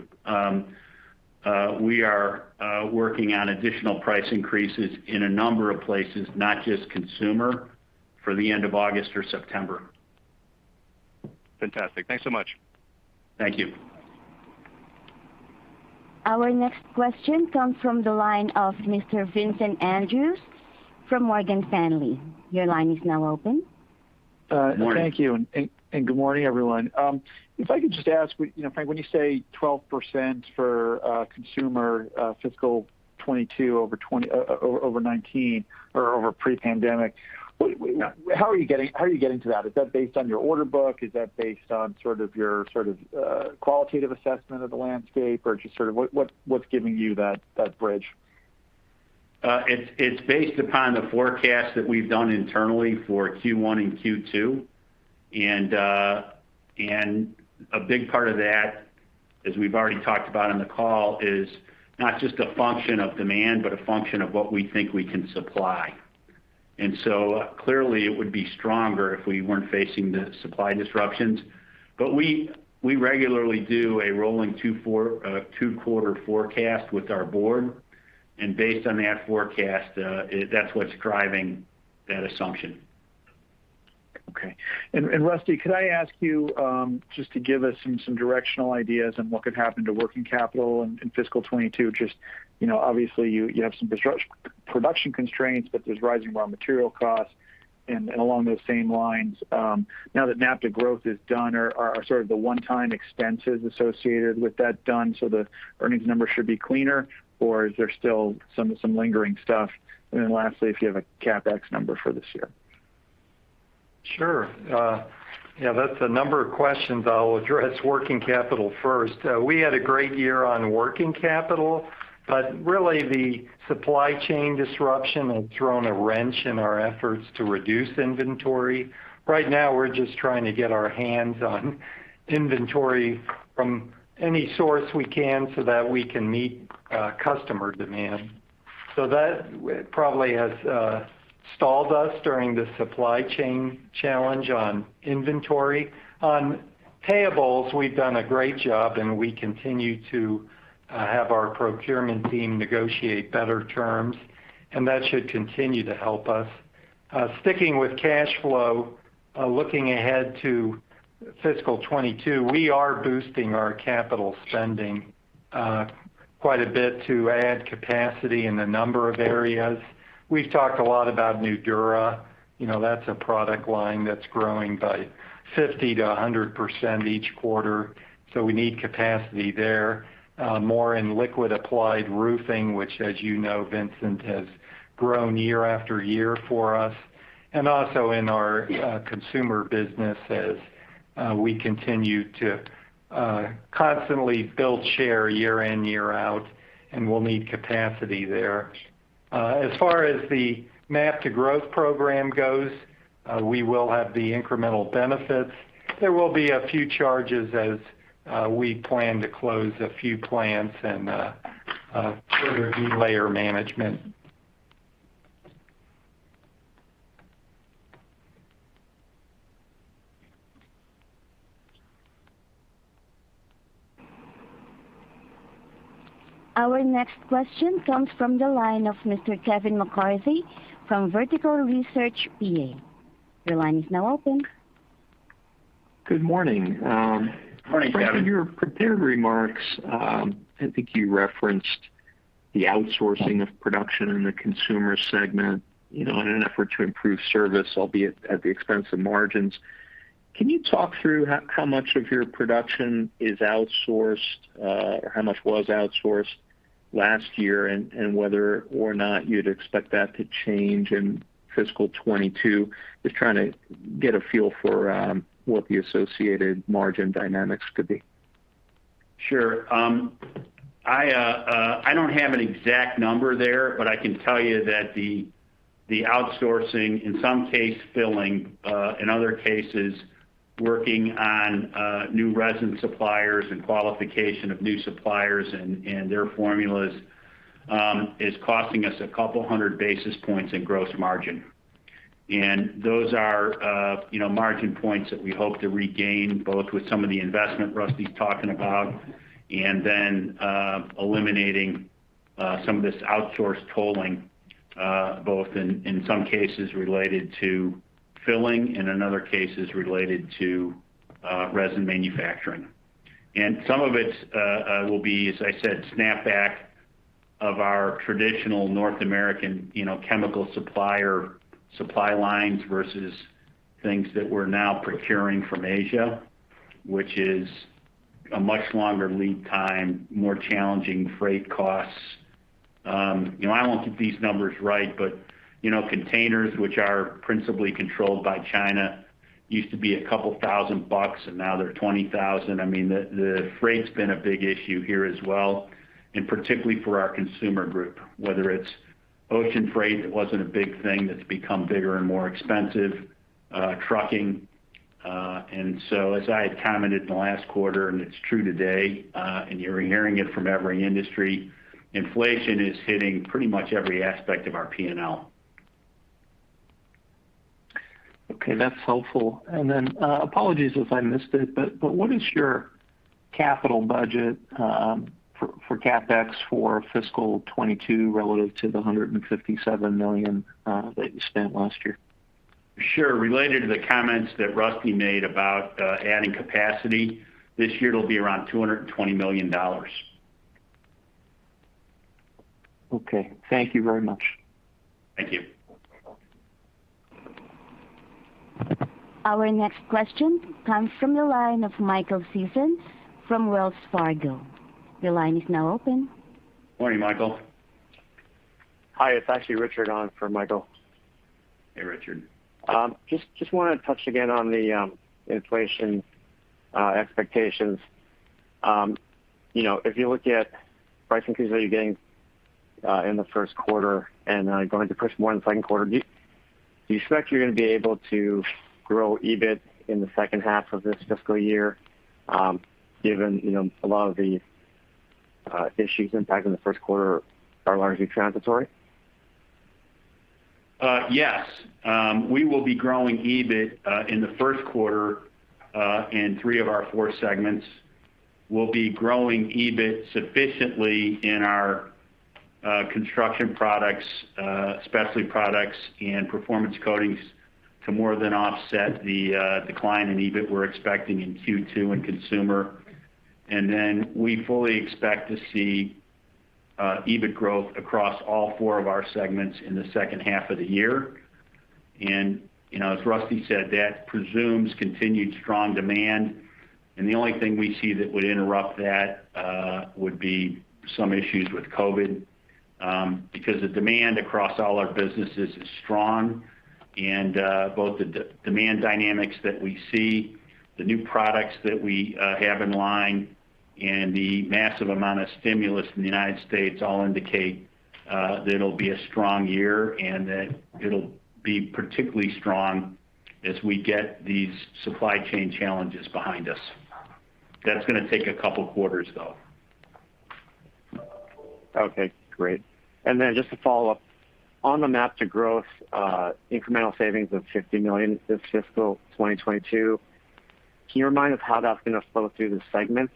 We are working on additional price increases in a number of places, not just consumer, for the end of August or September. Fantastic. Thanks so much. Thank you. Our next question comes from the line of Mr. Vincent Andrews from Morgan Stanley. Morning. Thank you, good morning, everyone. If I could just ask, Frank, when you say 12% for consumer fiscal 2022 over 2019 or over pre-pandemic, how are you getting to that? Is that based on your order book? Is that based on your qualitative assessment of the landscape, or just sort of what's giving you that bridge? It's based upon the forecast that we've done internally for Q1 and Q2. A big part of that, as we've already talked about on the call, is not just a function of demand, but a function of what we think we can supply. Clearly it would be stronger if we weren't facing the supply disruptions. We regularly do a rolling two quarter forecast with our Board, and based on that forecast, that's what's driving that assumption. Okay. Rusty, could I ask you just to give us some directional ideas on what could happen to working capital in fiscal 2022? Just obviously, you have some production constraints, but there's rising raw material costs. Along those same lines, now that MAP to Growth is done or sort of the one-time expenses associated with that done, so the earnings number should be cleaner, or is there still some lingering stuff? Lastly, if you have a CapEx number for this year. Sure. Yeah, that's a number of questions. I'll address working capital first. We had a great year on working capital. Really the supply chain disruption has thrown a wrench in our efforts to reduce inventory. Right now, we're just trying to get our hands on inventory from any source we can so that we can meet customer demand. That probably has stalled us during the supply chain challenge on inventory. On payables, we've done a great job, and we continue to have our procurement team negotiate better terms, and that should continue to help us. Sticking with cash flow, looking ahead to fiscal 2022, we are boosting our capital spending quite a bit to add capacity in a number of areas. We've talked a lot about NUDURA. That's a product-line that's growing by 50%-100% each quarter, so we need capacity there. More in liquid applied roofing, which as you know, Vincent, has grown year-after-year for us, and also in our consumer business as we continue to constantly build share year in, year out, and we'll need capacity there. As far as the MAP to Growth program goes, we will have the incremental benefits. There will be a few charges as we plan to close a few plants and further delayer management. Our next question comes from the line of Mr. Kevin McCarthy from Vertical Research Partners. Your line is now open. Good morning. Morning, Kevin. Frank, in your prepared remarks, I think you referenced the outsourcing of production in the Consumer segment, in an effort to improve service, albeit at the expense of margins. Can you talk through how much of your production is outsourced, or how much was outsourced last year, and whether or not you'd expect that to change in fiscal 2022? Just trying to get a feel for what the associated margin dynamics could be. Sure. I don't have an exact number there, but I can tell you that the outsourcing, in some case filling, in other cases working on new resin suppliers and qualification of new suppliers and their formulas, is costing us 200 basis points in gross margin. Those are margin points that we hope to regain, both with some of the investment Rusty's talking about, then eliminating some of this outsourced tolling, both in some cases related to filling, and in other cases related to resin manufacturing. Some of it will be, as I said, snapback of our traditional North American chemical supplier supply lines versus things that we're now procuring from Asia, which is a much longer lead time, more challenging freight costs. I won't get these numbers right, but containers which are principally controlled by China, used to be $2,000 bucks, and now they're $20,000. The freight's been a big issue here as well, particularly for our Consumer Group, whether it's ocean freight that wasn't a big thing that's become bigger and more expensive, trucking. As I had commented in the last quarter, and it's true today, and you're hearing it from every industry, inflation is hitting pretty much every aspect of our P&L. Okay. That's helpful. Apologies if I missed it, but what is your capital budget for CapEx for fiscal 2022 relative to the $157 million that you spent last year? Sure. Related to the comments that Rusty made about adding capacity, this year it'll be around $220 million. Okay. Thank you very much. Thank you. Our next question comes from the line of Michael Sison from Wells Fargo. Your line is now open. Morning, Michael. Hi, it's actually Richard on for Michael. Hey, Richard. Just wanted to touch again on the inflation expectations. If you look at price increases that you're getting in the first quarter and going to push more in the second quarter, do you expect you're going to be able to grow EBIT in the second half of this fiscal year, given a lot of the issues impacting the first quarter are largely transitory? Yes. We'll be growing EBIT in the first quarter in three of our four segments. We'll be growing EBIT sufficiently in our Construction Products, Specialty Products, and Performance Coatings to more than offset the decline in EBIT we're expecting in Q2 in Consumer. Then we fully expect to see EBIT growth across all four of our segments in the second half of the year. As Rusty said, that presumes continued strong demand. The only thing we see that would interrupt that would be some issues with COVID, because the demand across all our businesses is strong. Both the demand dynamics that we see, the new products that we have in line, and the massive amount of stimulus in the United States all indicate that it'll be a strong year and that it'll be particularly strong as we get these supply chain challenges behind us. That's going to take a couple of quarters, though. Okay, great. Just to follow-up, on the MAP to Growth, incremental savings of $50 million this fiscal 2022. Can you remind us how that's going to flow through the segments?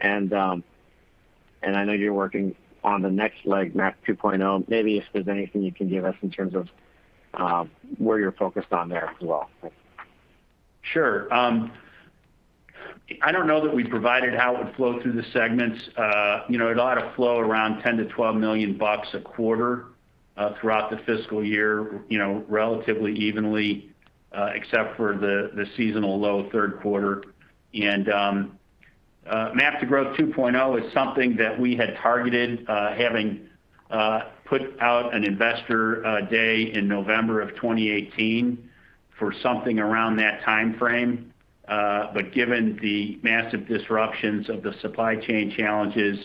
I know you're working on the next leg, MAP 2.0. Maybe if there's anything you can give us in terms of where you're focused on there as well. Sure. I don't know that we provided how it would flow through the segments. It ought to flow around $10 million-$12 million a quarter throughout the fiscal year, relatively evenly except for the seasonal low third quarter. MAP to Growth 2.0 is something that we had targeted having put out an Investor Day in November 2018 for something around that timeframe. Given the massive disruptions of the supply chain challenges,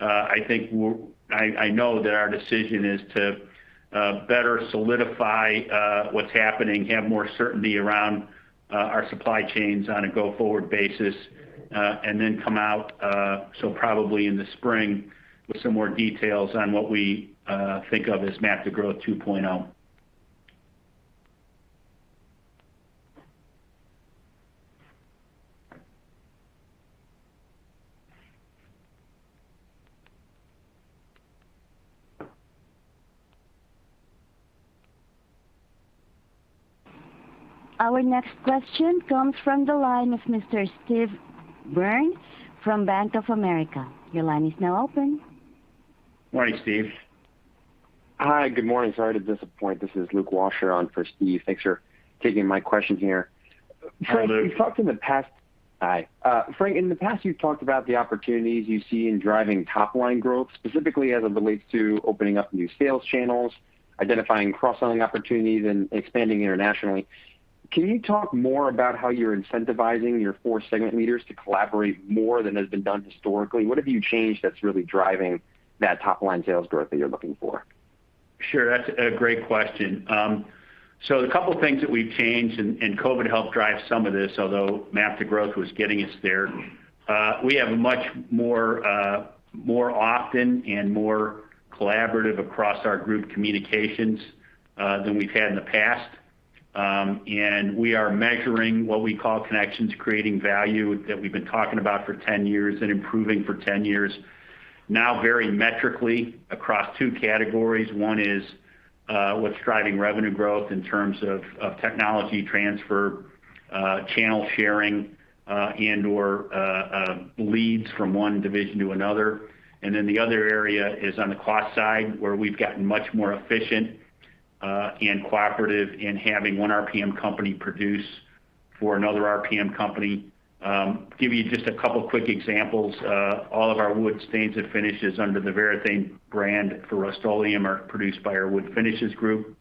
I know that our decision is to better solidify what's happening, have more certainty around our supply chains on a go-forward basis, and then come out, so probably in the spring, with some more details on what we think of as MAP to Growth 2.0. Our next question comes from the line of Mr. Steve Byrne from Bank of America. Your line is now open. Morning, Steve. Hi, good morning. Sorry to disappoint. This is Luke Washer on for Steve. Thanks for taking my question here. Hello. Frank, in the past you've talked about the opportunities you see in driving top-line growth, specifically as it relates to opening up new sales channels, identifying cross-selling opportunities, and expanding internationally. Can you talk more about how you're incentivizing your four segment leaders to collaborate more than has been done historically? What have you changed that's really driving that top-line sales growth that you're looking for? Sure, that's a great question. The couple things that we've changed, and COVID helped drive some of this, although MAP to Growth was getting us there. We have much more often and more collaborative across our group communications than we've had in the past. We are measuring what we call connections creating value that we've been talking about for 10 years and improving for 10 years now very metrically across two categories. One is what's driving revenue growth in terms of technology transfer, channel sharing, and/or leads from one division to another. The other area is on the cost side, where we've gotten much more efficient and cooperative in having one RPM company produce for another RPM company. Give you just a couple quick examples. All of our wood stains and finishes under the Varathane brand for Rust-Oleum are produced by our wood finishes group.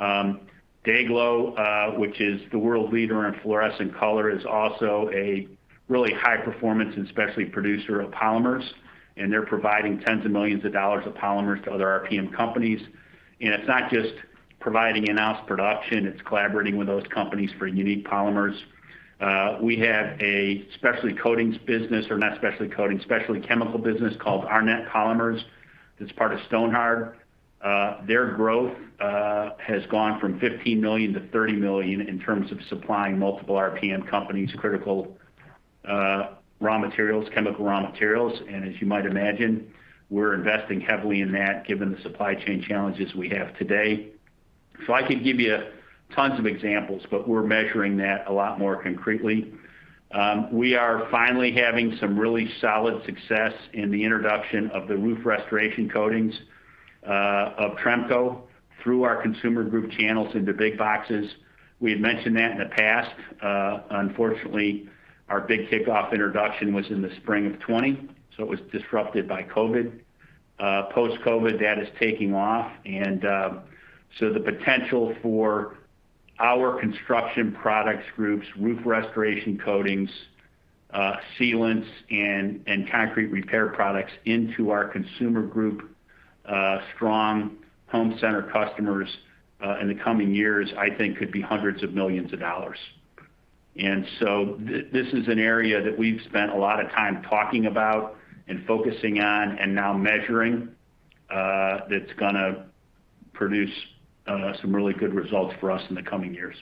DayGlo, which is the world leader in fluorescent color, is also a really high performance and specialty producer of polymers. They're providing $10 millions of polymers to other RPM companies. It's not just providing in-house production, it's collaborating with those companies for unique polymers. We have a specialty chemical business called Arnette Polymers that's part of Stonhard. Their growth has gone from $15 million to $30 million in terms of supplying multiple RPM companies critical chemical raw materials. As you might imagine, we're investing heavily in that given the supply chain challenges we have today. I could give you tons of examples, but we're measuring that a lot more concretely. We are finally having some really solid success in the introduction of the roof restoration coatings of Tremco through our Consumer Group channels into big boxes. We had mentioned that in the past. Unfortunately, our big kickoff introduction was in the spring of 2020, so it was disrupted by COVID. Post-COVID, that is taking off. The potential for our Construction Products Group, roof restoration coatings, sealants, and concrete repair products into our Consumer Group, strong home center customers in the coming years, I think, could be $100 millions. This is an area that we've spent a lot of time talking about and focusing on and now measuring that's going to produce some really good results for us in the coming years.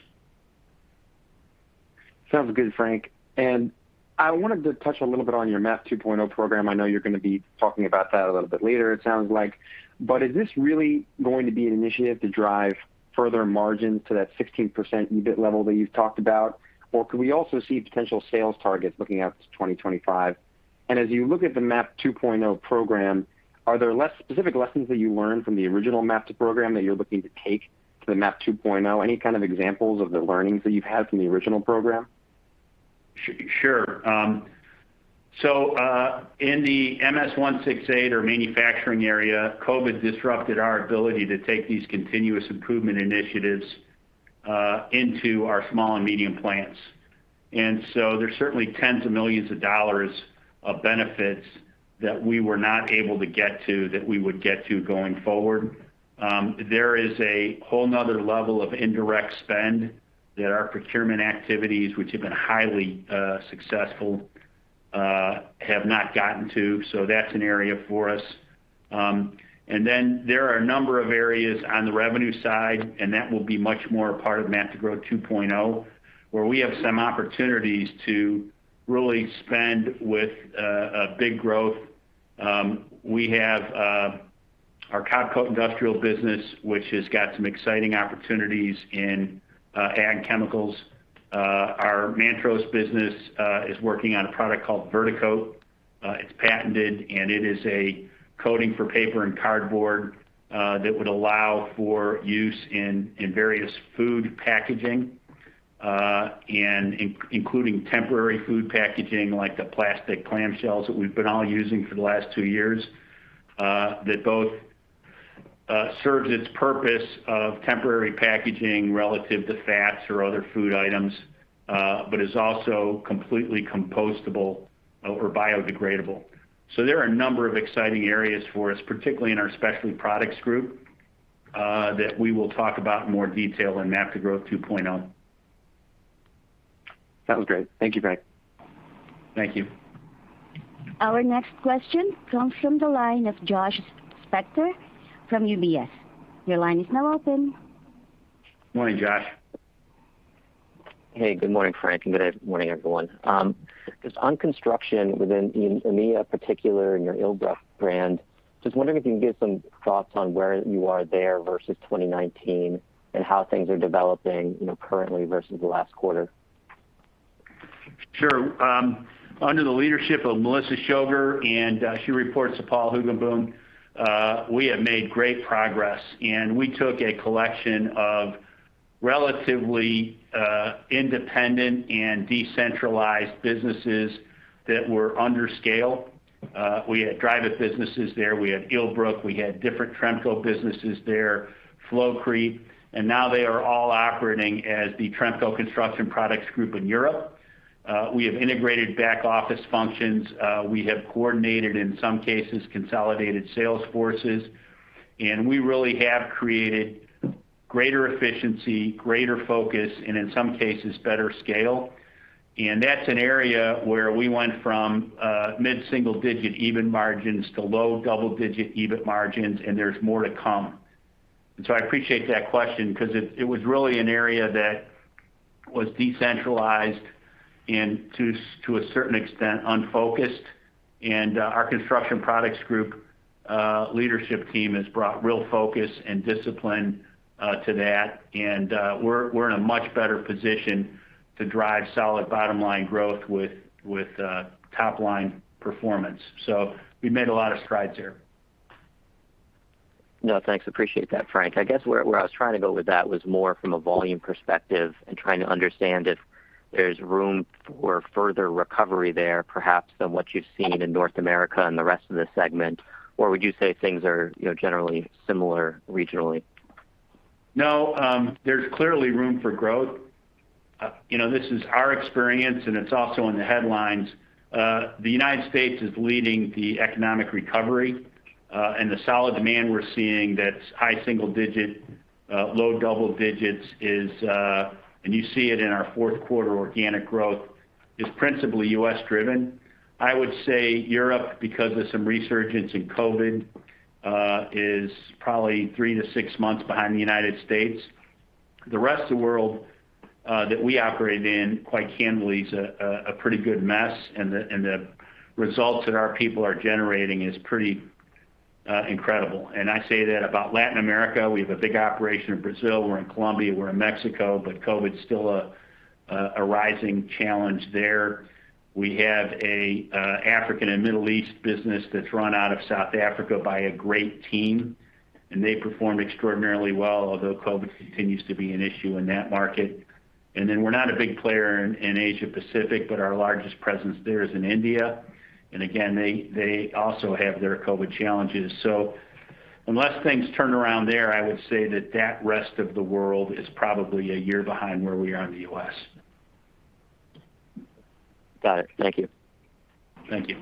Sounds good, Frank. I wanted to touch a little bit on your MAP 2.0 program. I know you're going to be talking about that a little bit later, it sounds like. Is this really going to be an initiative to drive further margin to that 16% EBIT level that you've talked about? Could we also see potential sales targets looking out to 2025? As you look at the MAP 2.0 program, are there specific lessons that you learned from the original MAP to Growth program that you're looking to take to the MAP 2.0? Any kind of examples of the learnings that you've had from the original program? Sure. In the MS-168 or manufacturing area, COVID disrupted our ability to take these continuous improvement initiatives into our small and medium plants. There's certainly $10 million of benefits that we were not able to get to, that we would get to going forward. There is a whole other level of indirect spend that our procurement activities, which have been highly successful, have not gotten to. That's an area for us. There are a number of areas on the revenue side, and that will be much more a part of MAP to Growth 2.0, where we have some opportunities to really spend with a big growth. We have our Kop-Coat Industrial business, which has got some exciting opportunities in Ag Chemicals. Our Mantrose-Haeuser business, is working on a product called VerdeCoat. It's patented, and it is a coating for paper and cardboard, that would allow for use in various food packaging, and including temporary food packaging, like the plastic clam shells that we've been all using for the last two years, that both serves its purpose of temporary packaging relative to fats or other food items, but is also completely compostable or biodegradable. There are a number of exciting areas for us, particularly in our Specialty Products Group, that we will talk about in more detail in MAP 2.0. That was great. Thank you, Frank. Thank you. Our next question comes from the line of Josh Spector from UBS. Your line is now open. Morning, Josh. Hey, good morning, Frank, and good morning, everyone. Just on construction within EMEA particular and your illbruck brand, just wondering if you can give some thoughts on where you are there versus 2019 and how things are developing currently versus last quarter. Sure. Under the leadership of Melissa Schoger, and she reports to Paul Hoogenboom, we have made great progress, and we took a collection of relatively independent and decentralized businesses that were under scale. We had Dryvit businesses there, we had illbruck, we had different Tremco businesses there, Flowcrete, and now they are all operating as the Tremco Construction Products Group in Europe. We have integrated back office functions. We have coordinated, in some cases, consolidated sales forces, and we really have created greater efficiency, greater focus, and in some cases, better scale. That's an area where we went from mid-single-digit EBIT margins to low-double-digit EBIT margins, and there's more to come. I appreciate that question because it was really an area that was decentralized and to a certain extent, unfocused. Our Construction Products Group leadership team has brought real focus and discipline to that. We're in a much better position to drive solid bottom-line growth with top-line performance. We've made a lot of strides there. Yeah, thanks. Appreciate that, Frank. I guess where I was trying to go with that was more from a volume perspective and trying to understand if there's room for further recovery there, perhaps, than what you've seen in North America and the rest of the segment. Would you say things are generally similar regionally? No, there's clearly room for growth. This is our experience, and it's also in the headlines. The United States is leading the economic recovery, and the solid demand we're seeing that's high-single-digit, low-double-digits is, and you see it in our fourth quarter organic growth, is principally U.S. driven. I would say Europe, because of some resurgence in COVID, is probably three to six months behind the United States. The rest of the world that we operate in, quite candidly, is a pretty good mess, and the results that our people are generating is pretty incredible. I say that about Latin America. We have a big operation in Brazil, we're in Colombia, we're in Mexico, but COVID's still a rising challenge there. We have an African and Middle East business that's run out of South Africa by a great team, and they perform extraordinarily well, although COVID continues to be an issue in that market. Then we're not a big player in Asia Pacific, but our largest presence there is in India. Again, they also have their COVID challenges. Unless things turn around there, I would say that that rest of the world is probably a year behind where we are in the U.S. Got it. Thank you. Thank you.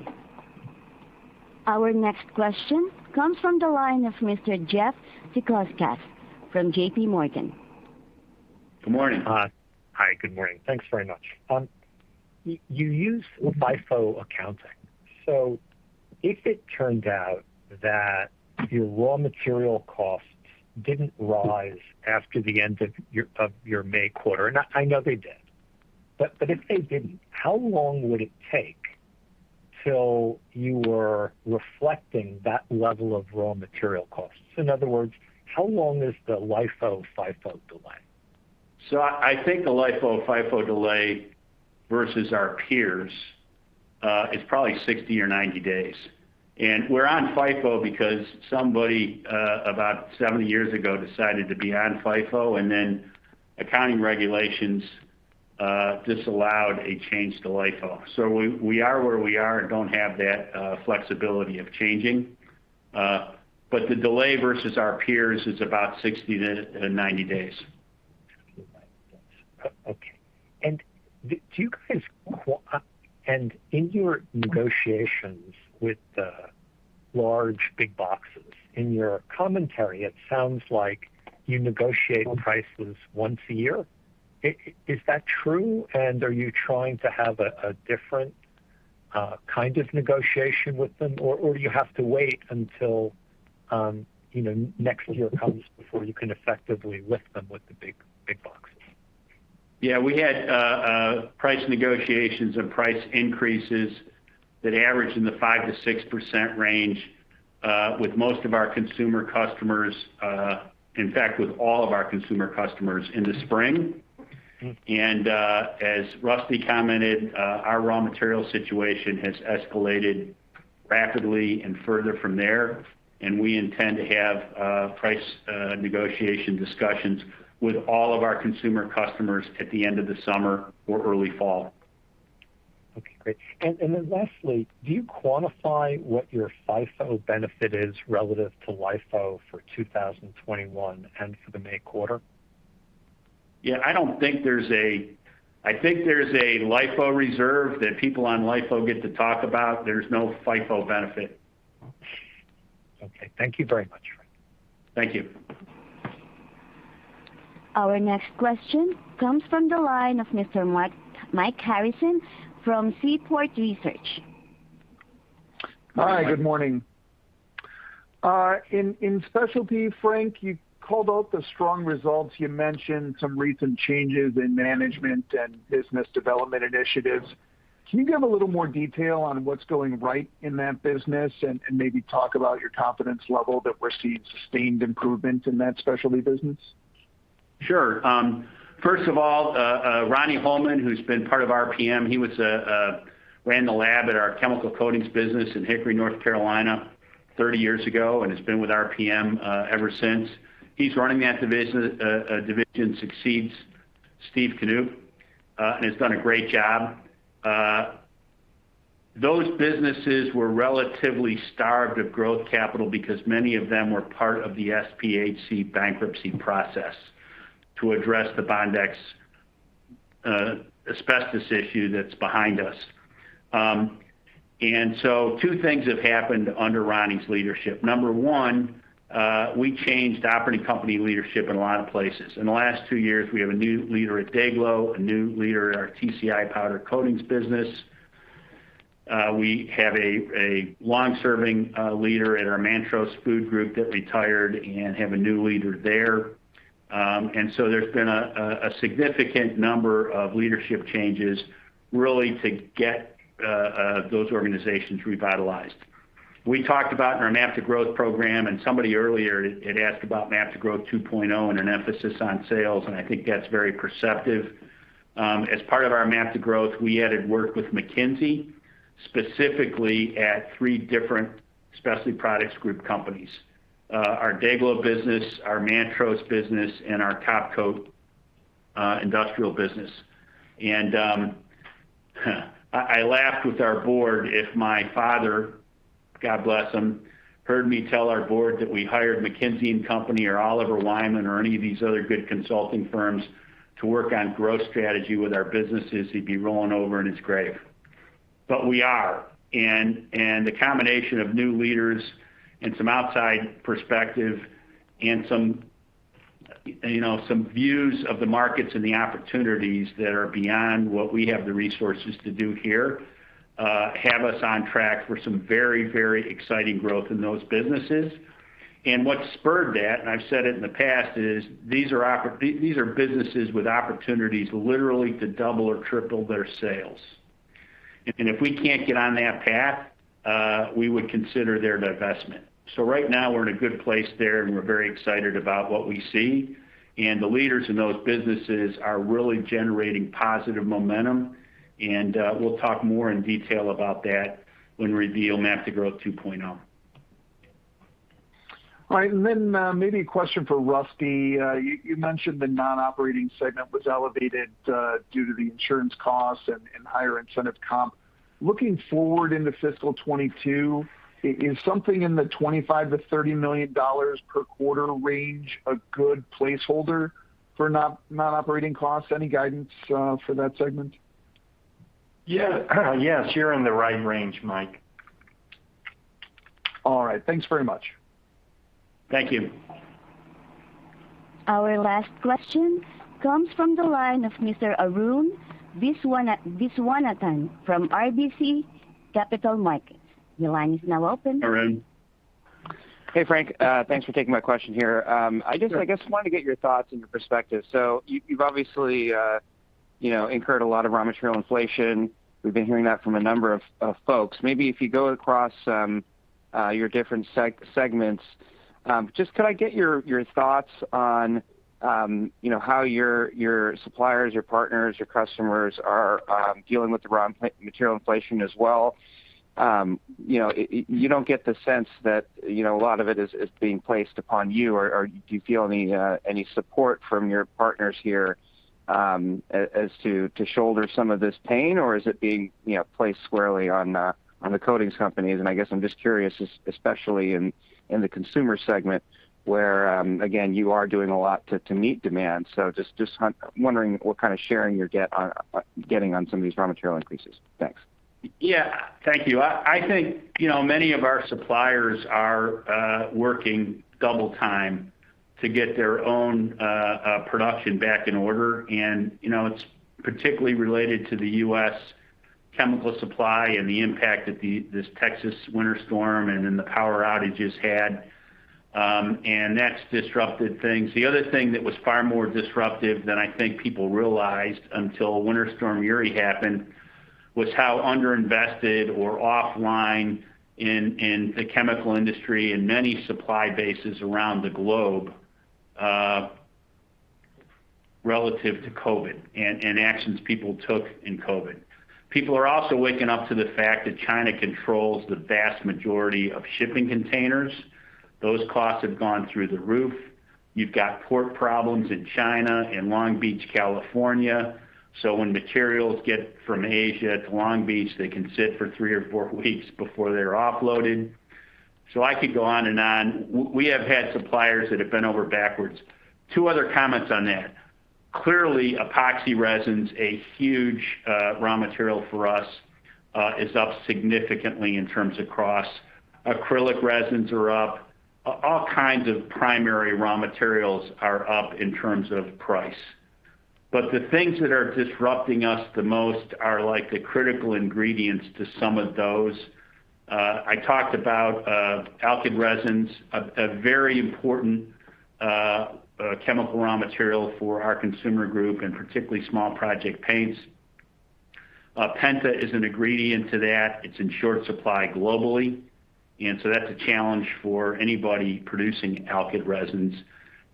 Our next question comes from the line of Mr. Jeff Zekauskas from JPMorgan. Good morning. Hi. Good morning. Thanks very much. You use FIFO accounting. If it turned out that your raw material costs didn't rise after the end of your May quarter, and I know they did, but if they didn't, how long would it take till you were reflecting that level of raw material costs? In other words, how long is the LIFO, FIFO delay? I think the LIFO, FIFO delay versus our peers is probably 60 or 90 days. We're on FIFO because somebody about 70 years ago decided to be on FIFO, and then accounting regulations disallowed a change to LIFO. We are where we are and don't have that flexibility of changing. The delay versus our peers is about 60-90 days. Okay. In your negotiations with the large big boxes, in your commentary, it sounds like you negotiate prices once a year. Is that true? Are you trying to have a different kind of negotiation with them? Or do you have to wait until next year comes before you can effectively lift them with the big boxes? We had price negotiations and price increases that average in the 5%-6% range with most of our consumer customers, in fact, with all of our consumer customers in the spring. As Rusty commented, our raw material situation has escalated rapidly and further from there. We intend to have price negotiation discussions with all of our consumer customers at the end of the summer or early fall. Okay, great. Then lastly, do you quantify what your FIFO benefit is relative to LIFO for 2021 and for the May quarter? Yeah, I think there's a LIFO reserve that people on LIFO get to talk about. There's no FIFO benefit. Okay. Thank you very much, Frank. Thank you. Our next question comes from the line of Mr. Mike Harrison from Seaport Research. Hi, good morning. In Specialty, Frank, you called out the strong results. You mentioned some recent changes in management and business development initiatives. Can you give a little more detail on what's going right in that business and maybe talk about your confidence level that we're seeing sustained improvement in that Specialty business? Sure. First of all, Ronnie Holman, who's been part of RPM, he ran the lab at our chemical coatings business in Hickory, North Carolina 30 years ago has been with RPM ever since. He's running that division, succeeds Steve Knoop, has done a great job. Those businesses were relatively starved of growth capital because many of them were part of the SPHC bankruptcy process to address the Bondex asbestos issue that's behind us. Two things have happened under Ronnie's leadership. Number one, we changed operating company leadership in a lot of places. In the last two years, we have a new leader at DayGlo, a new leader at our TCI Powder Coatings business. We have a long-serving leader at our Mantrose Food Group that retired have a new leader there. There's been a significant number of leadership changes really to get those organizations revitalized. We talked about in our MAP to Growth program, and somebody earlier had asked about MAP to Growth 2.0 and an emphasis on sales, and I think that's very perceptive. As part of our MAP to Growth, we added work with McKinsey, specifically at three different Specialty Products Group companies, our DayGlo business, our Mantrose business, and our Topcoat Industrial business. I laughed with our Board if my father, God bless him, heard me tell our Board that we hired McKinsey & Company or Oliver Wyman or any of these other good consulting firms to work on growth strategy with our businesses, he'd be rolling over in his grave. But we are. The combination of new leaders and some outside perspective and some views of the markets and the opportunities that are beyond what we have the resources to do here have us on track for some very, very exciting growth in those businesses. What spurred that, and I've said it in the past, is these are businesses with opportunities literally to double or triple their sales. If we can't get on that path, we would consider their divestment. Right now we're in a good place there and we're very excited about what we see. The leaders in those businesses are really generating positive momentum. We'll talk more in detail about that when we reveal MAP to Growth 2.0. All right. Maybe a question for Rusty. You mentioned the non-operating segment was elevated due to the insurance costs and higher incentive comp. Looking forward into fiscal 2022, is something in the $25 million-$30 million per quarter range a good placeholder for non-operating costs? Any guidance for that segment? Yes. You're in the right range, Mike. All right. Thanks very much. Thank you. Our last question comes from the line of Mr. Arun Viswanathan from RBC Capital Markets. Your line is now open. Hi, Arun. Hey, Frank. Thanks for taking my question here. I just want to get your thoughts and your perspective. You've obviously incurred a lot of raw material inflation. We've been hearing that from a number of folks. Maybe if you go across your different segments, just could I get your thoughts on how your suppliers, your partners, your customers are dealing with the raw material inflation as well? You don't get the sense that a lot of it is being placed upon you? Do you feel any support from your partners here as to shoulder some of this pain, or is it being placed squarely on the coatings companies? I guess I'm just curious, especially in the Consumer segment, where, again, you are doing a lot to meet demand. Just wondering what kind of sharing you're getting on some of these raw material increases. Thanks. Thank you. I think many of our suppliers are working double time to get their own production back in order. It's particularly related to the U.S. chemical supply and the impact that this Texas Winter Storm and then the power outages had, and that's disrupted things. The other thing that was far more disruptive than I think people realized until Winter Storm Uri happened was how under-invested or offline in the chemical industry and many supply bases around the globe relative to COVID, and actions people took in COVID. People are also waking up to the fact that China controls the vast majority of shipping containers. Those costs have gone through the roof. You've got port problems in China, in Long Beach, California. When materials get from Asia to Long Beach, they can sit for three or four weeks before they're offloaded. I could go on and on. We have had suppliers that have bent over backwards. Two other comments on that. Clearly, epoxy resin's a huge raw material for us, is up significantly in terms of cost. Acrylic resins are up. All kinds of primary raw materials are up in terms of price. The things that are disrupting us the most are the critical ingredients to some of those. I talked about alkyd resins, a very important chemical raw material for our Consumer Group, and particularly small project paints. penta is an ingredient to that. It's in short supply globally. That's a challenge for anybody producing alkyd resins.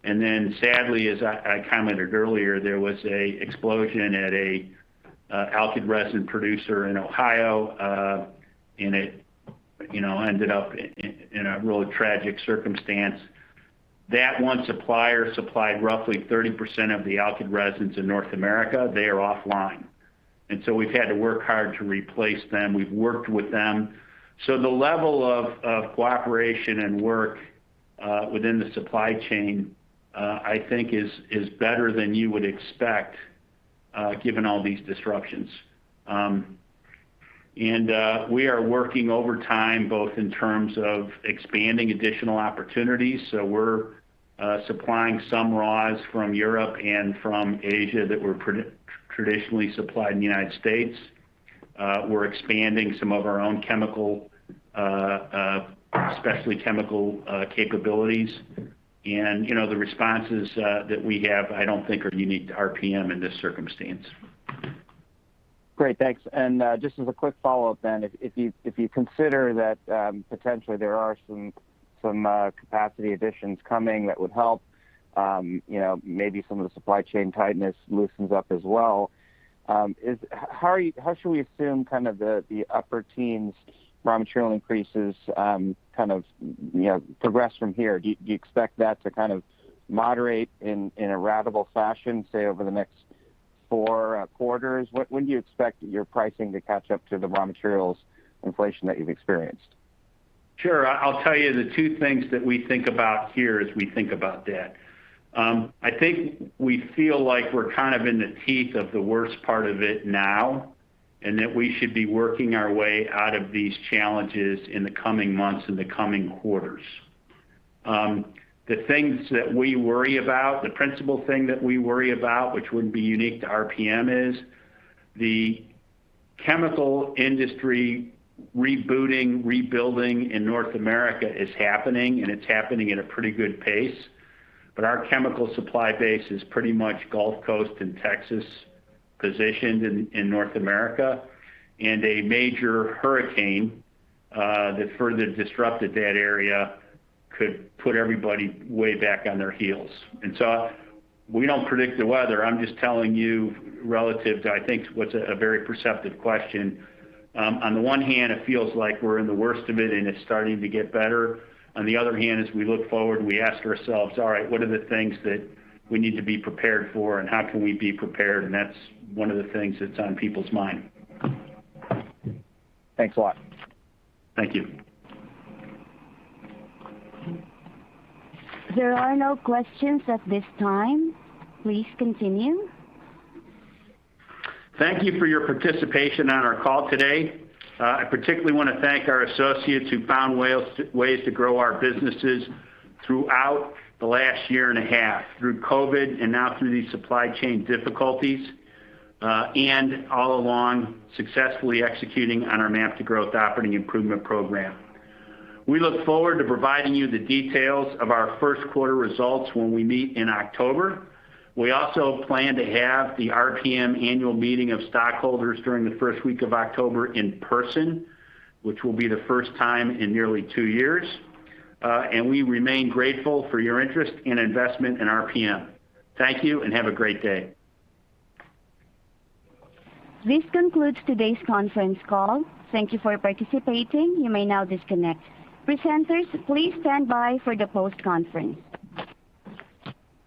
Sadly, as I commented earlier, there was an explosion at an alkyd resin producer in Ohio, and it ended up in a really tragic circumstance. That one supplier supplied roughly 30% of the alkyd resins in North America. They are offline. We've had to work hard to replace them. We've worked with them. The level of cooperation and work within the supply chain, I think is better than you would expect given all these disruptions. We are working overtime, both in terms of expanding additional opportunities. We're supplying some [raws] from Europe and from Asia that were traditionally supplied in the United States. We're expanding some of our own chemical, especially chemical capabilities. The responses that we have, I don't think are unique to RPM in this circumstance. Great. Thanks. Just as a quick follow-up, if you consider that potentially there are some capacity additions coming that would help maybe some of the supply chain tightness loosens up as well, how should we assume kind of the upper teens raw material increases kind of progress from here? Do you expect that to kind of moderate in a ratable fashion, say, over the next four quarters? When do you expect your pricing to catch up to the raw materials inflation that you've experienced? Sure. I'll tell you the two things that we think about here as we think about that. I think we feel like we're kind of in the teeth of the worst part of it now, and that we should be working our way out of these challenges in the coming months, in the coming quarters. The things that we worry about, the principal thing that we worry about, which would be unique to RPM, is the chemical industry rebooting, rebuilding in North America is happening, and it's happening at a pretty good pace. Our chemical supply base is pretty much Gulf Coast and Texas positioned in North America, and a major hurricane that further disrupted that area could put everybody way back on their heels. We don't predict the weather. I'm just telling you relative to, I think, what's a very perceptive question. On the one hand, it feels like we're in the worst of it, and it's starting to get better. On the other hand, as we look forward, we ask ourselves, "All right, what are the things that we need to be prepared for, and how can we be prepared?" That's one of the things that's on people's mind. Thanks a lot. Thank you. There are no questions at this time. Please continue. Thank you for your participation on our call today. I particularly want to thank our associates who found ways to grow our businesses throughout the last year and a half, through COVID and now through these supply chain difficulties, and all along successfully executing on our MAP to Growth operating improvement program. We look forward to providing you the details of our first quarter results when we meet in October. We also plan to have the RPM Annual Meeting of Stockholders during the first week of October in person, which will be the first time in nearly two years. We remain grateful for your interest and investment in RPM. Thank you, and have a great day. This concludes today's conference call. Thank you for participating. You may now disconnect. Presenters, please stand by for the post-conference.